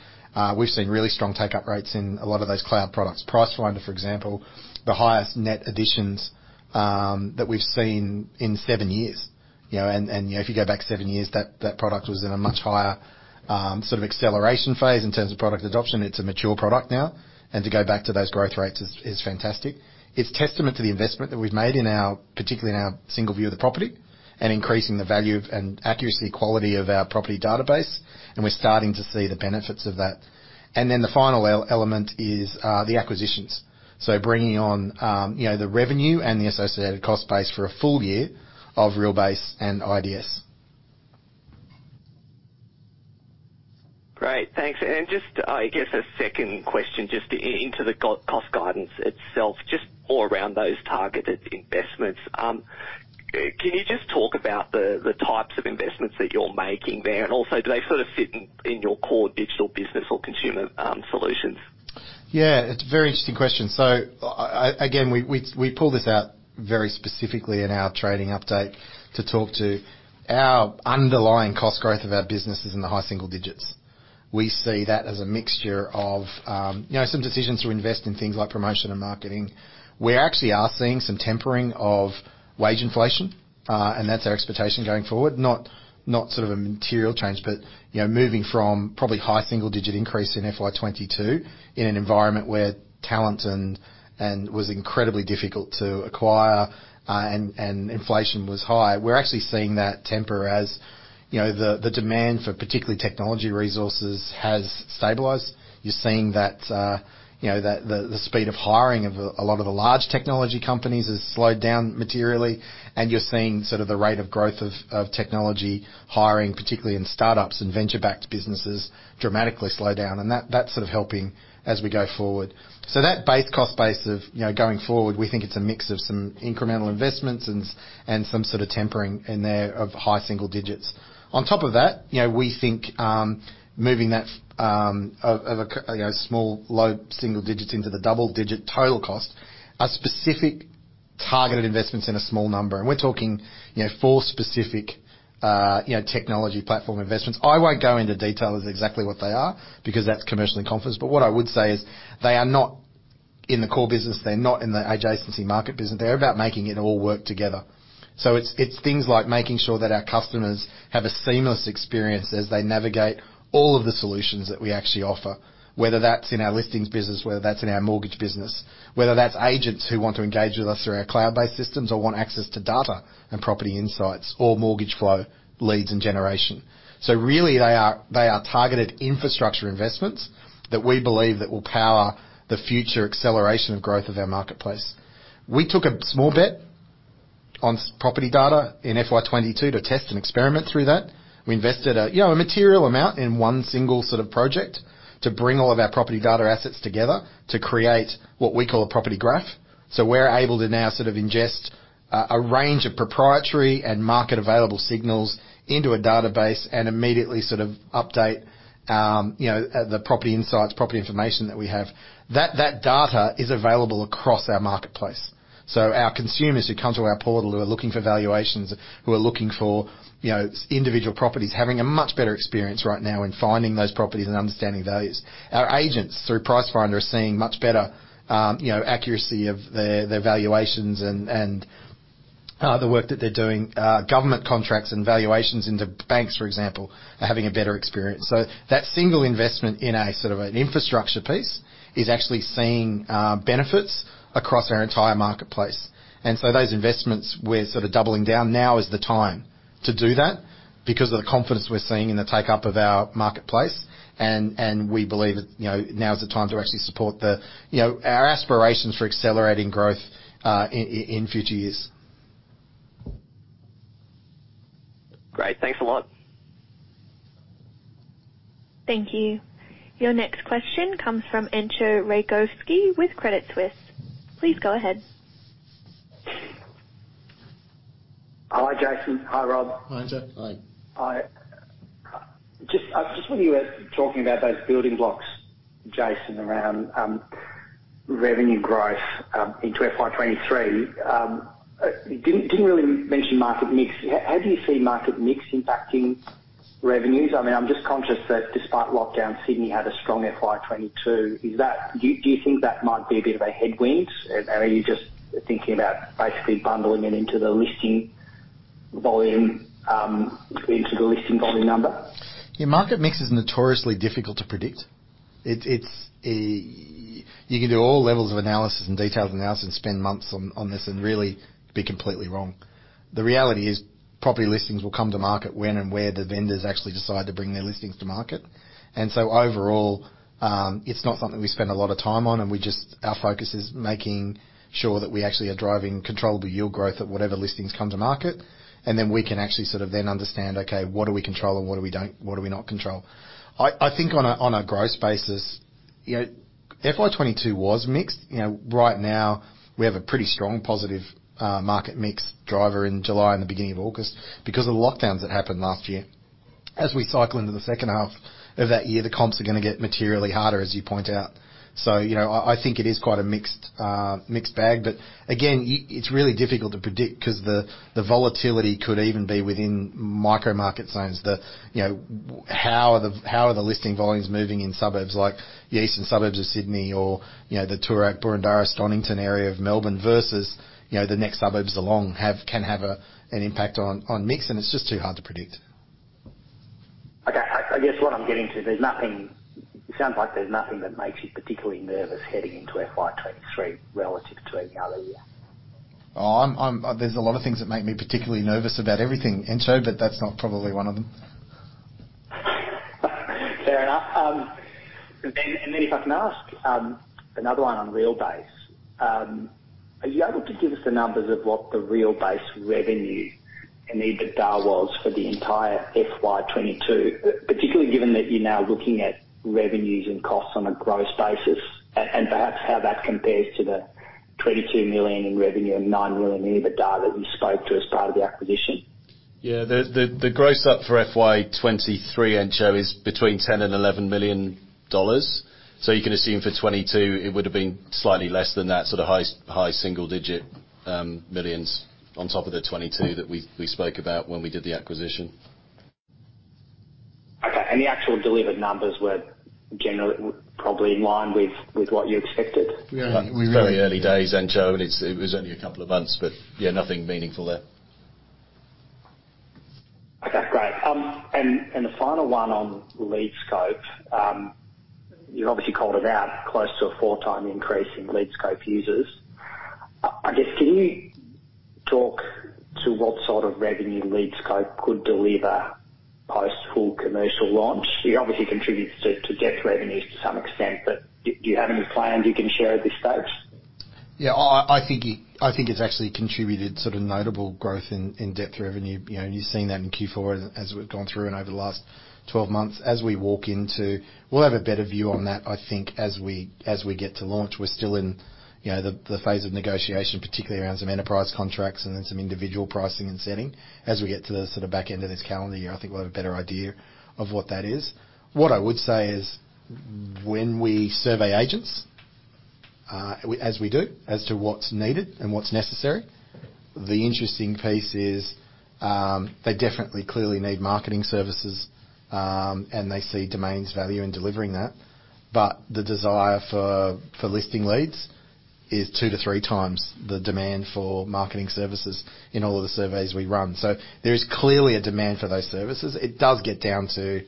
we've seen really strong take-up rates in a lot of those cloud products. Pricefinder, for example, the highest net additions that we've seen in seven years. If you go back seven years, that product was in a much higher sort of acceleration phase in terms of product adoption. It's a mature product now. To go back to those growth rates is fantastic. It's testament to the investment that we've made in our, particularly in our single view of the property, and increasing the value and accuracy, quality of our property database, and we're starting to see the benefits of that. The final element is the acquisitions. bringing on, you know, the revenue and the associated cost base for a full year of Realbase and IDS. Great. Thanks. Just, I guess a second question, just into the cost guidance itself, just more around those targeted investments. Can you just talk about the types of investments that you're making there? Also, do they sort of fit in your core digital business or consumer solutions? Yeah, it's a very interesting question. Again, we pulled this out very specifically in our trading update to talk about our underlying cost growth of our business is in the high single digits%. We see that as a mixture of, you know, some decisions to invest in things like promotion and marketing. We actually are seeing some tempering of wage inflation, and that's our expectation going forward. Not sort of a material change, but, you know, moving from probably high single-digit% increase in FY 2022 in an environment where talent and was incredibly difficult to acquire, and inflation was high. We're actually seeing that temper as, you know, the demand for particularly technology resources has stabilized. You're seeing that, you know, the speed of hiring of a lot of the large technology companies has slowed down materially, and you're seeing sort of the rate of growth of technology hiring, particularly in startups and venture-backed businesses, dramatically slow down. That's sort of helping as we go forward. That base cost base of, you know, going forward, we think it's a mix of some incremental investments and some sort of tempering in there of high single digits. On top of that, you know, we think moving that, you know, small low single digits into the double-digit total cost are specific targeted investments in a small number. We're talking, you know, four specific, you know, technology platform investments. I won't go into detail of exactly what they are because that's commercial in confidence. What I would say is they are not in the core business, they're not in the adjacency market business. They're about making it all work together. It's things like making sure that our customers have a seamless experience as they navigate all of the solutions that we actually offer, whether that's in our listings business, whether that's in our mortgage business, whether that's agents who want to engage with us through our cloud-based systems or want access to data and property insights or mortgage lead flow and generation. Really they are targeted infrastructure investments that we believe that will power the future acceleration of growth of our marketplace. We took a small bet on property data in FY 2022 to test and experiment through that. We invested you know a material amount in one single sort of project to bring all of our property data assets together to create what we call a property graph. We're able to now sort of ingest a range of proprietary and market available signals into a database and immediately sort of update you know the property insights, property information that we have. That data is available across our marketplace. Our consumers who come to our portal, who are looking for valuations, who are looking for you know individual properties, having a much better experience right now in finding those properties and understanding values. Our agents, through Pricefinder, are seeing much better you know accuracy of their valuations and the work that they're doing. Government contracts and valuations into banks, for example, are having a better experience. That single investment in a sort of an infrastructure piece is actually seeing benefits across our entire marketplace. Those investments we're sort of doubling down. Now is the time to do that because of the confidence we're seeing in the take-up of our marketplace. We believe that, you know, now is the time to actually support the, you know, our aspirations for accelerating growth in future years. Great. Thanks a lot. Thank you. Your next question comes from Entcho Raykovski with Credit Suisse. Please go ahead. Hi, Jason. Hi, Rob. Hi, Entcho. Hi. Hi. Just when you were talking about those building blocks, Jason, around revenue growth into FY 2023, you didn't really mention market mix. How do you see market mix impacting revenues? I mean, I'm just conscious that despite lockdown, Sydney had a strong FY 2022. Do you think that might be a bit of a headwind? Are you just thinking about basically bundling it into the listing volume number? Yeah, market mix is notoriously difficult to predict. You can do all levels of analysis and detailed analysis, spend months on this and really be completely wrong. The reality is property listings will come to market when and where the vendors actually decide to bring their listings to market. Overall, it's not something we spend a lot of time on, and our focus is making sure that we actually are driving controllable yield growth at whatever listings come to market. We can actually sort of then understand, okay, what do we control and what do we not control? I think on a growth basis, you know, FY 2022 was mixed. You know, right now we have a pretty strong positive market mix driver in July and the beginning of August because of the lockdowns that happened last year. As we cycle into the second half of that year, the comps are gonna get materially harder, as you point out. You know, I think it is quite a mixed bag. Again, it's really difficult to predict 'cause the volatility could even be within micro market zones. You know, how are the listing volumes moving in suburbs like the eastern suburbs of Sydney or, you know, the Toorak, Boroondara, Stonnington area of Melbourne versus, you know, the next suburbs along can have an impact on mix, and it's just too hard to predict. Okay. I guess what I'm getting to, it sounds like there's nothing that makes you particularly nervous heading into FY 2023 relative to any other year. There's a lot of things that make me particularly nervous about everything, Entcho, but that's not probably one of them. Fair enough. If I can ask another one on Realbase. Are you able to give us the numbers of what the Realbase revenue and EBITDA was for the entire FY 2022, particularly given that you're now looking at revenues and costs on a gross basis, and perhaps how that compares to the 22 million in revenue and 9 million EBITDA that you spoke to as part of the acquisition? Yeah. The gross up for FY 2023, Entcho, is between 10 million and 11 million dollars. You can assume for 2022 it would have been slightly less than that, sort of high single digit millions on top of the 2022 that we spoke about when we did the acquisition. Okay. The actual delivered numbers were generally probably in line with what you expected? Yeah. Very early days, Entcho, and it was only a couple of months, but yeah, nothing meaningful there. Okay, great. The final one on LeadScope. You've obviously called it out, close to a four-time increase in LeadScope users. I guess, can you talk to what sort of revenue LeadScope could deliver post full commercial launch? It obviously contributes to ad revenues to some extent, but do you have any plans you can share at this stage? I think it's actually contributed sort of notable growth in depth revenue. You know, you've seen that in Q4 as we've gone through and over the last 12 months. We'll have a better view on that, I think, as we get to launch. We're still in, you know, the phase of negotiation, particularly around some enterprise contracts and then some individual pricing and setting. As we get to the sort of back end of this calendar year, I think we'll have a better idea of what that is. What I would say is, when we survey agents, as we do, as to what's needed and what's necessary. The interesting piece is, they definitely clearly need marketing services, and they see Domain's value in delivering that. The desire for listing leads is two-three times the demand for marketing services in all of the surveys we run. There is clearly a demand for those services. It does get down to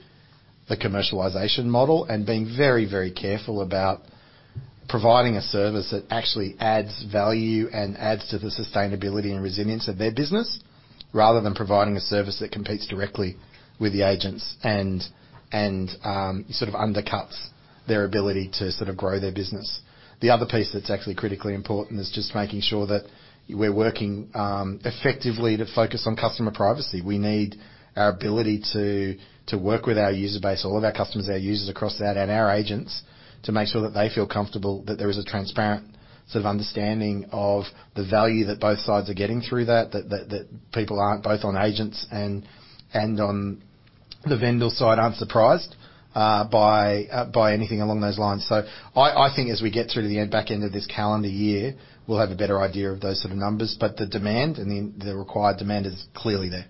the commercialization model and being very, very careful about providing a service that actually adds value and adds to the sustainability and resilience of their business, rather than providing a service that competes directly with the agents and sort of undercuts their ability to sort of grow their business. The other piece that's actually critically important is just making sure that we're working effectively to focus on customer privacy. We need our ability to work with our user base, all of our customers, our users across that, and our agents to make sure that they feel comfortable that there is a transparent sort of understanding of the value that both sides are getting through that, people aren't both on agents and on the vendor side aren't surprised by anything along those lines. I think as we get through to the end back end of this calendar year, we'll have a better idea of those sort of numbers. The demand and the required demand is clearly there.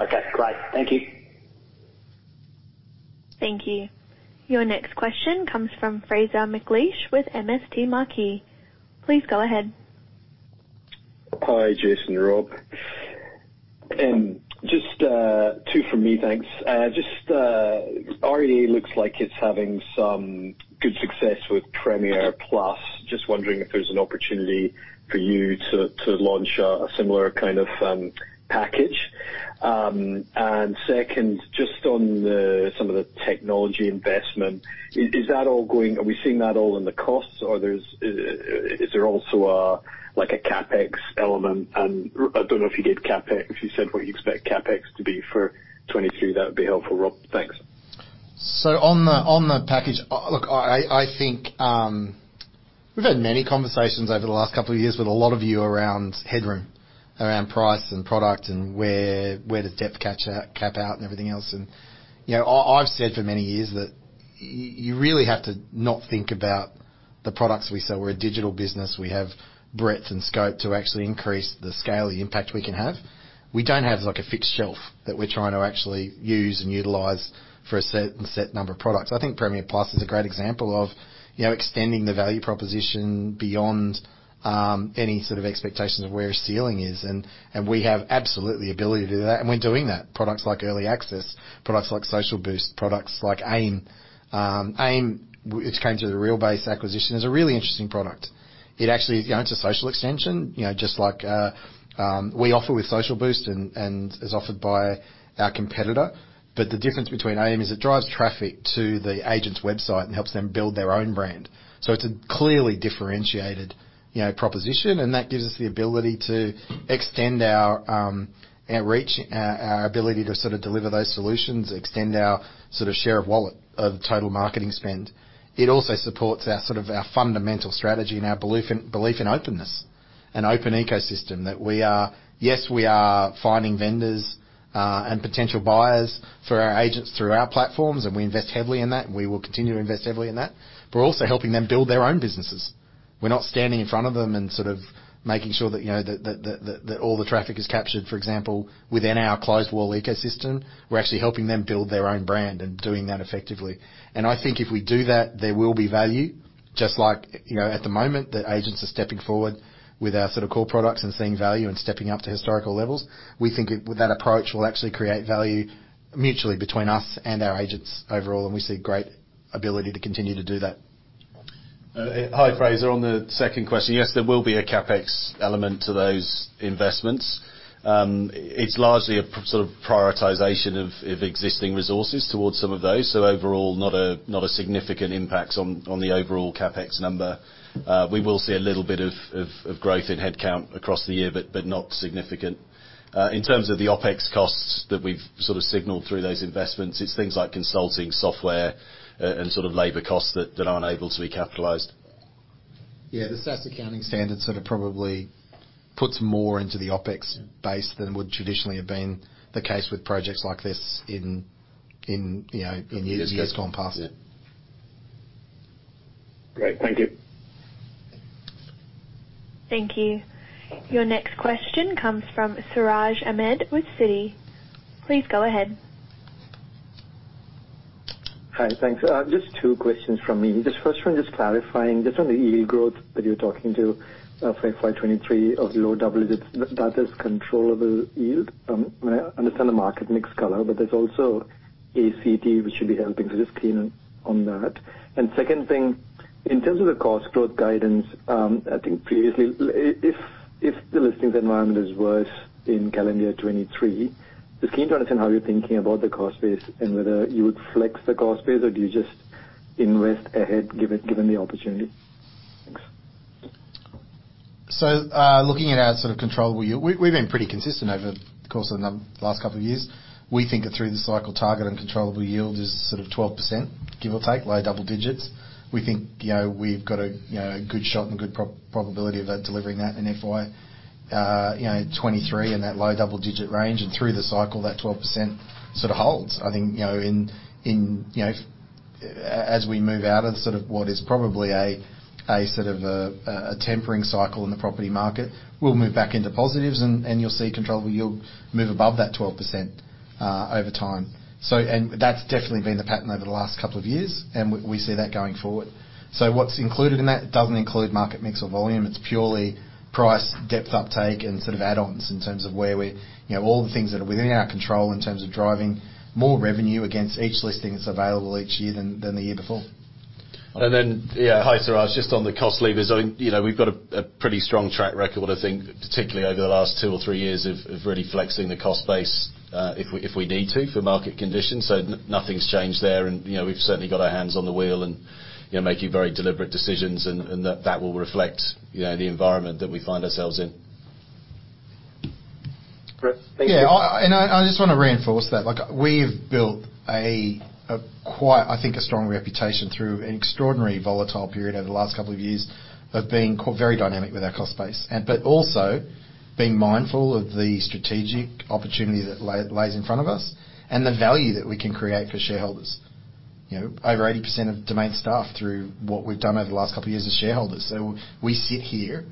Okay, great. Thank you. Thank you. Your next question comes from Fraser McLeish with MST Marquee. Please go ahead. Hi, Jason, Rob. Just two from me, thanks. Just REA looks like it's having some good success with Premier+. Just wondering if there's an opportunity for you to launch a similar kind of package. Second, just on some of the technology investment, are we seeing that all in the costs or is there also a like a CapEx element? I don't know if you gave CapEx, if you said what you expect CapEx to be for 2023, that would be helpful, Rob. Thanks. On the package, I think we've had many conversations over the last couple of years with a lot of you around headroom, around price and product and where does depth cap out and everything else. You know, I've said for many years that you really have to not think about the products we sell. We're a digital business. We have breadth and scope to actually increase the scale, the impact we can have. We don't have like a fixed shelf that we're trying to actually use and utilize for a set number of products. I think Premier+ is a great example of, you know, extending the value proposition beyond any sort of expectations of where a ceiling is. We have absolute ability to do that, and we're doing that. Products like Early Access, products like Social Boost, products like AIM. AIM, which came through the Realbase acquisition, is a really interesting product. It actually, you know, it's a social extension, you know, just like we offer with Social Boost and is offered by our competitor. The difference between AIM is it drives traffic to the agent's website and helps them build their own brand. It's a clearly differentiated, you know, proposition, and that gives us the ability to extend our reach, our ability to sort of deliver those solutions, extend our sort of share of wallet of total marketing spend. It also supports our fundamental strategy and our belief in openness and open ecosystem that yes, we are finding vendors and potential buyers for our agents through our platforms, and we invest heavily in that, and we will continue to invest heavily in that. We're also helping them build their own businesses. We're not standing in front of them and sort of making sure that, you know, that all the traffic is captured, for example, within our closed wall ecosystem. We're actually helping them build their own brand and doing that effectively. I think if we do that, there will be value, just like, you know, at the moment that agents are stepping forward with our sort of core products and seeing value and stepping up to historical levels. We think with that approach will actually create value mutually between us and our agents overall, and we see great ability to continue to do that. Hi, Fraser. On the second question, yes, there will be a CapEx element to those investments. It's largely a sort of prioritization of existing resources towards some of those. Overall, not a significant impact on the overall CapEx number. We will see a little bit of growth in headcount across the year, but not significant. In terms of the OpEx costs that we've sort of signaled through those investments, it's things like consulting, software, and sort of labor costs that aren't able to be capitalized. Yeah, the SaaS accounting standard sort of probably puts more into the OpEx base than would traditionally have been the case with projects like this in, you know, in years gone past. Yeah. Great. Thank you. Thank you. Your next question comes from Siraj Ahmed with Citi. Please go ahead. Hi. Thanks. Just two questions from me. Just first one, clarifying just on the yield growth that you're talking to, for FY 2023 of low double digits, that is controllable yield? I understand the market mix color, but there's also ACT which should be helping. So just keen on that. Second thing, in terms of the cost growth guidance, I think previously if the listings environment is worse in calendar 2023, just keen to understand how you're thinking about the cost base and whether you would flex the cost base or do you just invest ahead given the opportunity. Thanks. Looking at our sort of controllable yield, we've been pretty consistent over the course of the last couple of years. We think that through the cycle, target and controllable yield is sort of 12%, give or take, low double digits. We think, you know, we've got a, you know, a good shot and good probability of delivering that in FY 2023 in that low double digit range and through the cycle, that 12% sort of holds. I think, you know, in, you know, as we move out of sort of what is probably a tempering cycle in the property market, we'll move back into positives and you'll see controllable yield move above that 12%, over time. that's definitely been the pattern over the last couple of years, and we see that going forward. What's included in that doesn't include market mix or volume. It's purely price, depth uptake and sort of add-ons in terms of where we, you know, all the things that are within our control in terms of driving more revenue against each listing that's available each year than the year before. Hi, Siraj. Just on the cost levers. I mean, you know, we've got a pretty strong track record, I think particularly over the last two or three years of really flexing the cost base, if we need to for market conditions. Nothing's changed there. You know, we've certainly got our hands on the wheel and, you know, making very deliberate decisions and that will reflect, you know, the environment that we find ourselves in. Yeah. I just wanna reinforce that. Like, we've built a quite, I think, a strong reputation through an extraordinary volatile period over the last couple of years of being very dynamic with our cost base and, but also being mindful of the strategic opportunity that lies in front of us and the value that we can create for shareholders. You know, over 80% of Domain staff, through what we've done over the last couple of years, are shareholders. So we sit here,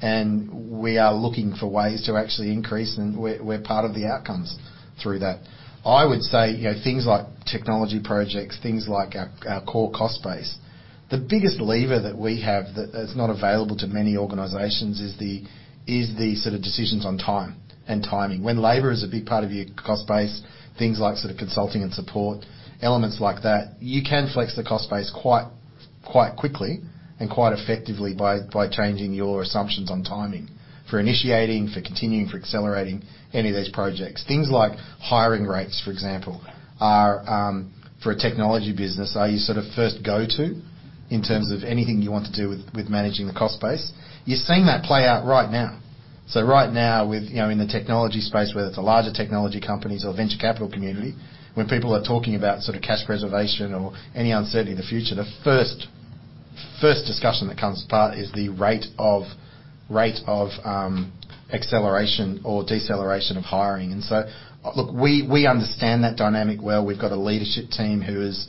and we are looking for ways to actually increase, and we're part of the outcomes through that. I would say, you know, things like technology projects, things like our core cost base. The biggest lever that we have that's not available to many organizations is the sort of decisions on time and timing. When labor is a big part of your cost base, things like sort of consulting and support, elements like that, you can flex the cost base quite quickly and quite effectively by changing your assumptions on timing for initiating, for continuing, for accelerating any of these projects. Things like hiring rates, for example, are, for a technology business, your sort of first go-to in terms of anything you want to do with managing the cost base. You're seeing that play out right now. Right now with, you know, in the technology space, whether it's larger technology companies or venture capital community, when people are talking about sort of cash preservation or any uncertainty in the future, the first discussion that comes up is the rate of acceleration or deceleration of hiring. Look, we understand that dynamic well. We've got a leadership team who is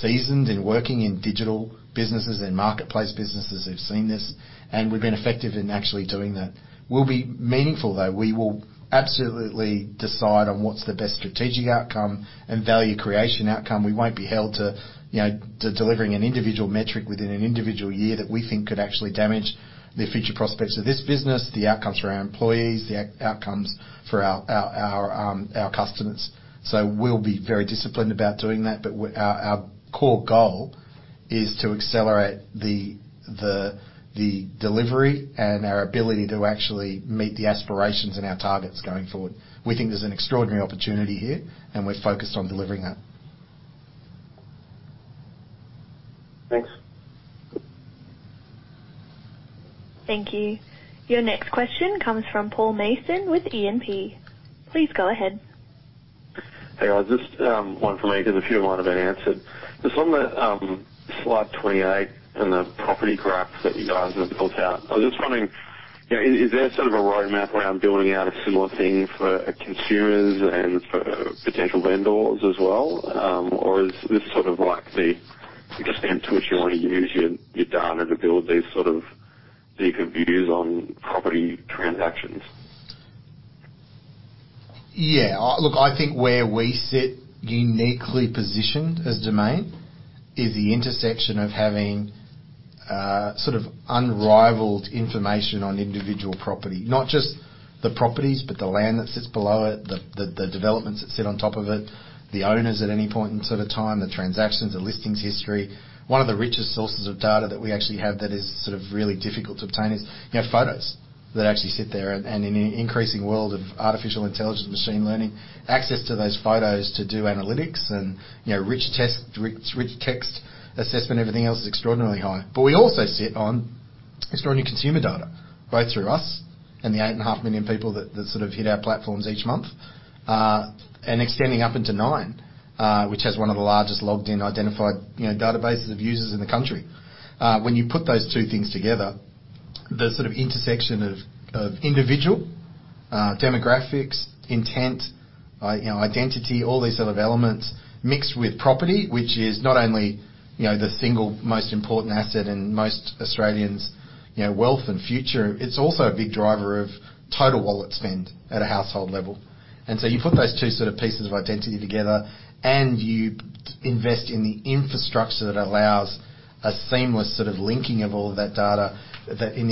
seasoned in working in digital businesses and marketplace businesses who've seen this, and we've been effective in actually doing that. We'll be meaningful, though. We will absolutely decide on what's the best strategic outcome and value creation outcome. We won't be held to, you know, to delivering an individual metric within an individual year that we think could actually damage the future prospects of this business, the outcomes for our employees, the outcomes for our customers. We'll be very disciplined about doing that. Our core goal is to accelerate the delivery and our ability to actually meet the aspirations and our targets going forward. We think there's an extraordinary opportunity here, and we're focused on delivering that. Thanks. Thank you. Your next question comes from Paul Mason with E&P. Please go ahead. Hey, guys. Just one for me, 'cause a few might have been answered. Just on the slide 28 and the property graphs that you guys have built out. I'm just wondering, you know, is there sort of a roadmap around building out a similar thing for consumers and for potential vendors as well? Or is this sort of like the extent to which you wanna use your data to build these sort of deeper views on property transactions? Yeah. Look, I think where we sit uniquely positioned as Domain is the intersection of having sort of unrivaled information on individual property. Not just the properties, but the land that sits below it, the developments that sit on top of it, the owners at any point in sort of time, the transactions, the listings history. One of the richest sources of data that we actually have that is sort of really difficult to obtain is, you know, photos that actually sit there. In an increasing world of artificial intelligence, machine learning, access to those photos to do analytics and, you know, rich text assessment, everything else is extraordinarily high. We also sit on extraordinary consumer data, both through us and the 8.5 million people that sort of hit our platforms each month, and extending up into Nine, which has one of the largest logged in identified, you know, databases of users in the country. When you put those two things together, the sort of intersection of individual demographics, intent, you know, identity, all these sort of elements mixed with property, which is not only, you know, the single most important asset in most Australians', you know, wealth and future, it's also a big driver of total wallet spend at a household level. You put those two sort of pieces of identity together, and you invest in the infrastructure that allows a seamless sort of linking of all of that data, you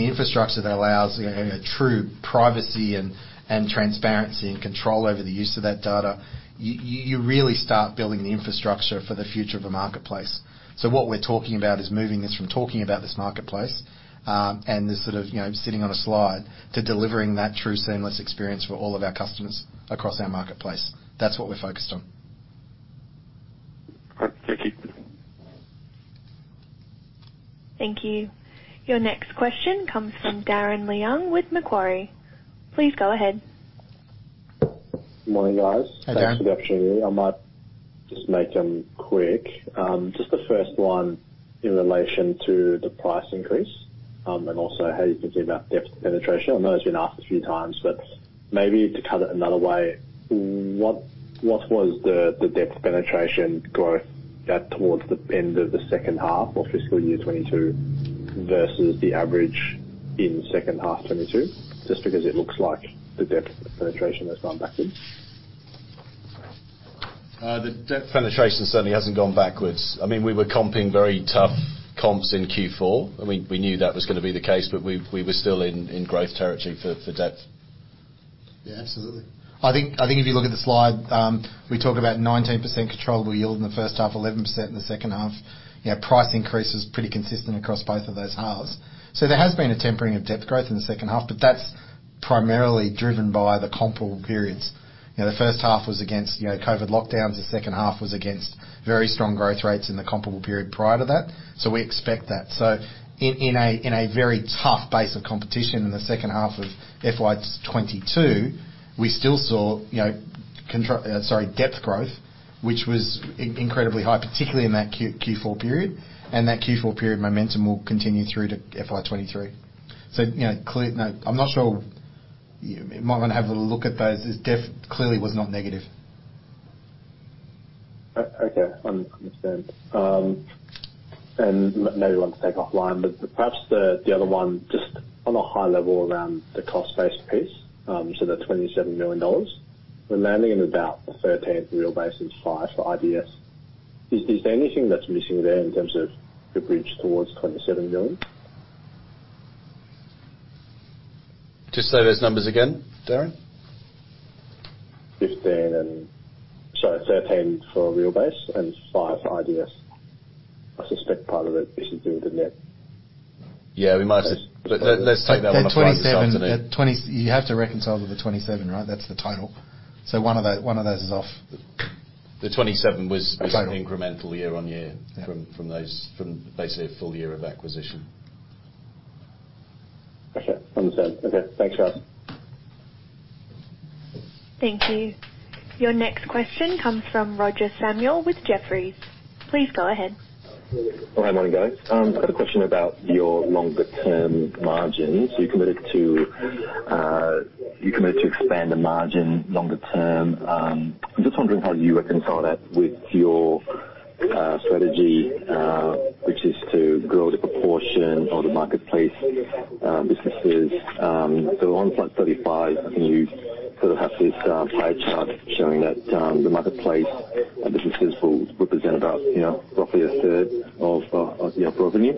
know, true privacy and transparency and control over the use of that data. You really start building the infrastructure for the future of a marketplace. What we're talking about is moving this from talking about this marketplace and this sort of, you know, sitting on a slide to delivering that true seamless experience for all of our customers across our marketplace. That's what we're focused on. All right. Thank you. Thank you. Your next question comes from Darren Leung with Macquarie. Please go ahead. Morning, guys. Hi, Darren. Thanks for the opportunity. I might just make them quick. Just the first one in relation to the price increase, and also how you're thinking about depth penetration. I know it's been asked a few times, but maybe to cut it another way, what was the depth penetration growth at towards the end of the second half or fiscal year 2022 versus the average in second half 2022? Just because it looks like the depth penetration has gone backwards. The depth penetration certainly hasn't gone backwards. I mean, we were comping very tough comps in Q4, and we knew that was gonna be the case, but we were still in growth territory for depth. Yeah, absolutely. I think if you look at the slide, we talk about 19% controllable yield in the first half, 11% in the second half. You know, price increase is pretty consistent across both of those halves. There has been a tempering of depth growth in the second half, but that's primarily driven by the comparable periods. You know, the first half was against, you know, COVID lockdowns. The second half was against very strong growth rates in the comparable period prior to that. We expect that. In a very tough base of comparison in the second half of FY 2022, we still saw, you know, depth growth, which was incredibly high, particularly in that Q4 period, and that Q4 period momentum will continue through to FY 2023. You know, No, I'm not sure. You might wanna have a look at those. As depth clearly was not negative. Okay. Understand. Maybe you want to take offline, but perhaps the other one just on a high level around the cost base piece, so the 27 million dollars. We're landing at about AUD 13 million Realbase and 5 million for IDS. Is there anything that's missing there in terms of the bridge towards 27 million? Just say those numbers again, Darren. 13 for Realbase and five for IDS. I suspect part of it is in the net. Yeah, we might have. Let's take that one offline. 27. You have to reconcile to the 27, right? That's the total. One of those is off. The 27 was incremental year-on-year. Yeah From basically a full year of acquisition. Okay. Understand. Okay. Thanks, guys. Thank you. Your next question comes from Roger Samuel with Jefferies. Please go ahead. Well, hi, morning, guys. I've got a question about your longer term margins. You committed to expand the margin longer term. I'm just wondering how you reconcile that with your strategy, which is to grow the proportion of the marketplace businesses. On slide 35, I think you sort of have this pie chart showing that the marketplace businesses will represent about, you know, roughly 1/3 of your revenue.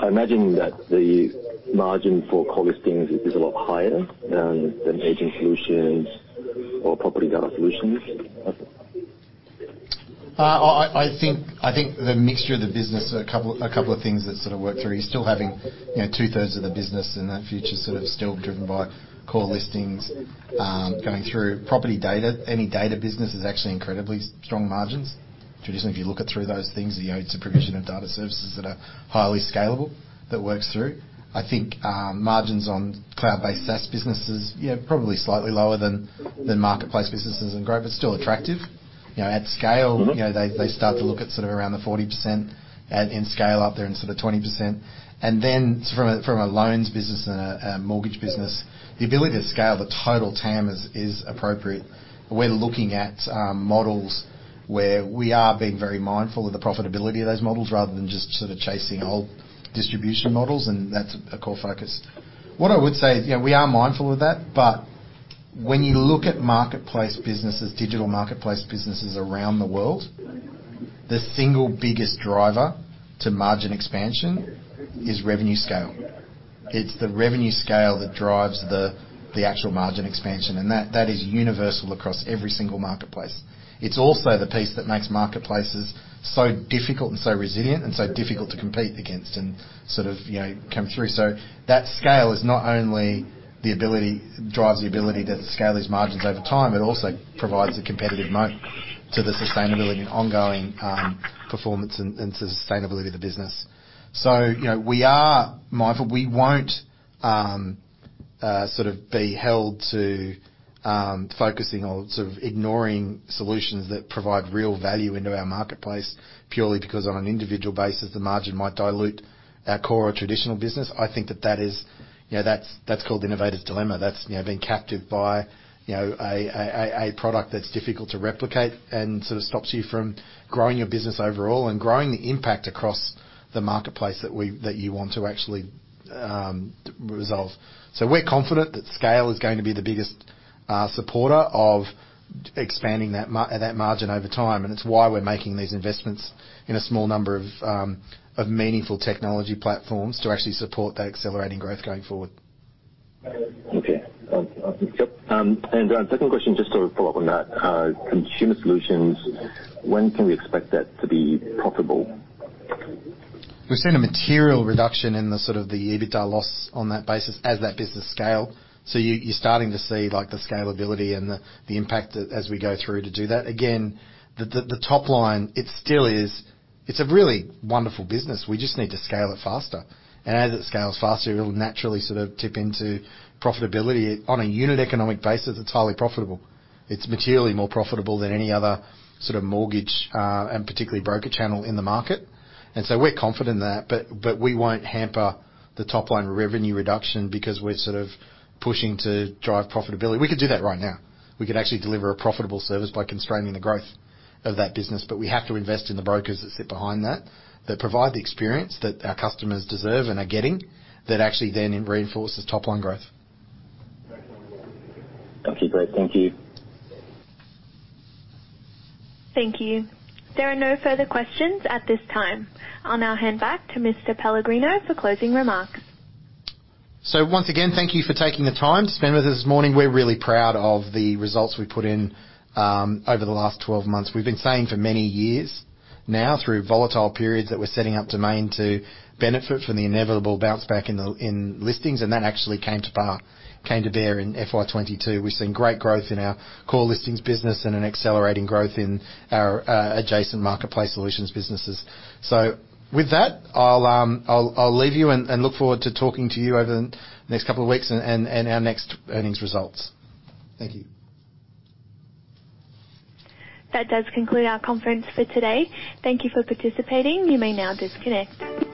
I imagine that the margin for core listings is a lot higher than agent solutions or property data solutions. I think the mixture of the business, a couple of things that sort of work through. You're still having, you know, 2/3 of the business in that future sort of still driven by core listings, going through property data. Any data business is actually incredibly strong margins. Traditionally, if you look back through those things, you know, it's a provision of data services that are highly scalable that works through. I think margins on cloud-based SaaS businesses, you know, probably slightly lower than marketplace businesses and growth, but still attractive. You know, at scale. Mm-hmm You know, they start to look at sort of around the 40% and in scale up there in sort of 20%. Then from a loans business and a mortgage business, the ability to scale the total TAM is appropriate. We're looking at models where we are being very mindful of the profitability of those models rather than just sort of chasing old distribution models, and that's a core focus. What I would say is, you know, we are mindful of that, but when you look at marketplace businesses, digital marketplace businesses around the world, the single biggest driver to margin expansion is revenue scale. It's the revenue scale that drives the actual margin expansion, and that is universal across every single marketplace. It's also the piece that makes marketplaces so difficult and so resilient and so difficult to compete against and sort of, you know, come through. That scale is not only the ability, drives the ability to scale these margins over time, it also provides a competitive moat to the sustainability and ongoing performance and sustainability of the business. You know, we are mindful. We won't sort of be held to focusing on sort of ignoring solutions that provide real value into our marketplace purely because on an individual basis, the margin might dilute our core or traditional business. I think that is, you know, that's called innovative dilemma. That's, you know, being captive by, you know, a product that's difficult to replicate and sort of stops you from growing your business overall and growing the impact across the marketplace that you want to actually resolve. We're confident that scale is going to be the biggest supporter of expanding that margin over time, and it's why we're making these investments in a small number of meaningful technology platforms to actually support that accelerating growth going forward. Okay. Yep. Second question, just to follow up on that. Consumer solutions, when can we expect that to be profitable? We've seen a material reduction in the sort of EBITDA loss on that basis as that business scale. You're starting to see like the scalability and the impact as we go through to do that. Again, the top line, it still is. It's a really wonderful business. We just need to scale it faster. As it scales faster, it'll naturally sort of tip into profitability. On a unit economic basis, it's highly profitable. It's materially more profitable than any other sort of mortgage and particularly broker channel in the market. We're confident in that. We won't hamper the top line revenue reduction because we're sort of pushing to drive profitability. We could do that right now. We could actually deliver a profitable service by constraining the growth of that business, but we have to invest in the brokers that sit behind that provide the experience that our customers deserve and are getting that actually then reinforces top line growth. Okay, great. Thank you. Thank you. There are no further questions at this time. I'll now hand back to Mr. Pellegrino for closing remarks. Once again, thank you for taking the time to spend with us this morning. We're really proud of the results we put in over the last 12 months. We've been saying for many years now through volatile periods that we're setting up Domain to benefit from the inevitable bounce back in the listings, and that actually came to bear in FY 2022. We've seen great growth in our core listings business and an accelerating growth in our adjacent marketplace solutions businesses. With that, I'll leave you and look forward to talking to you over the next couple of weeks and our next earnings results. Thank you. That does conclude our conference for today. Thank you for participating. You may now disconnect.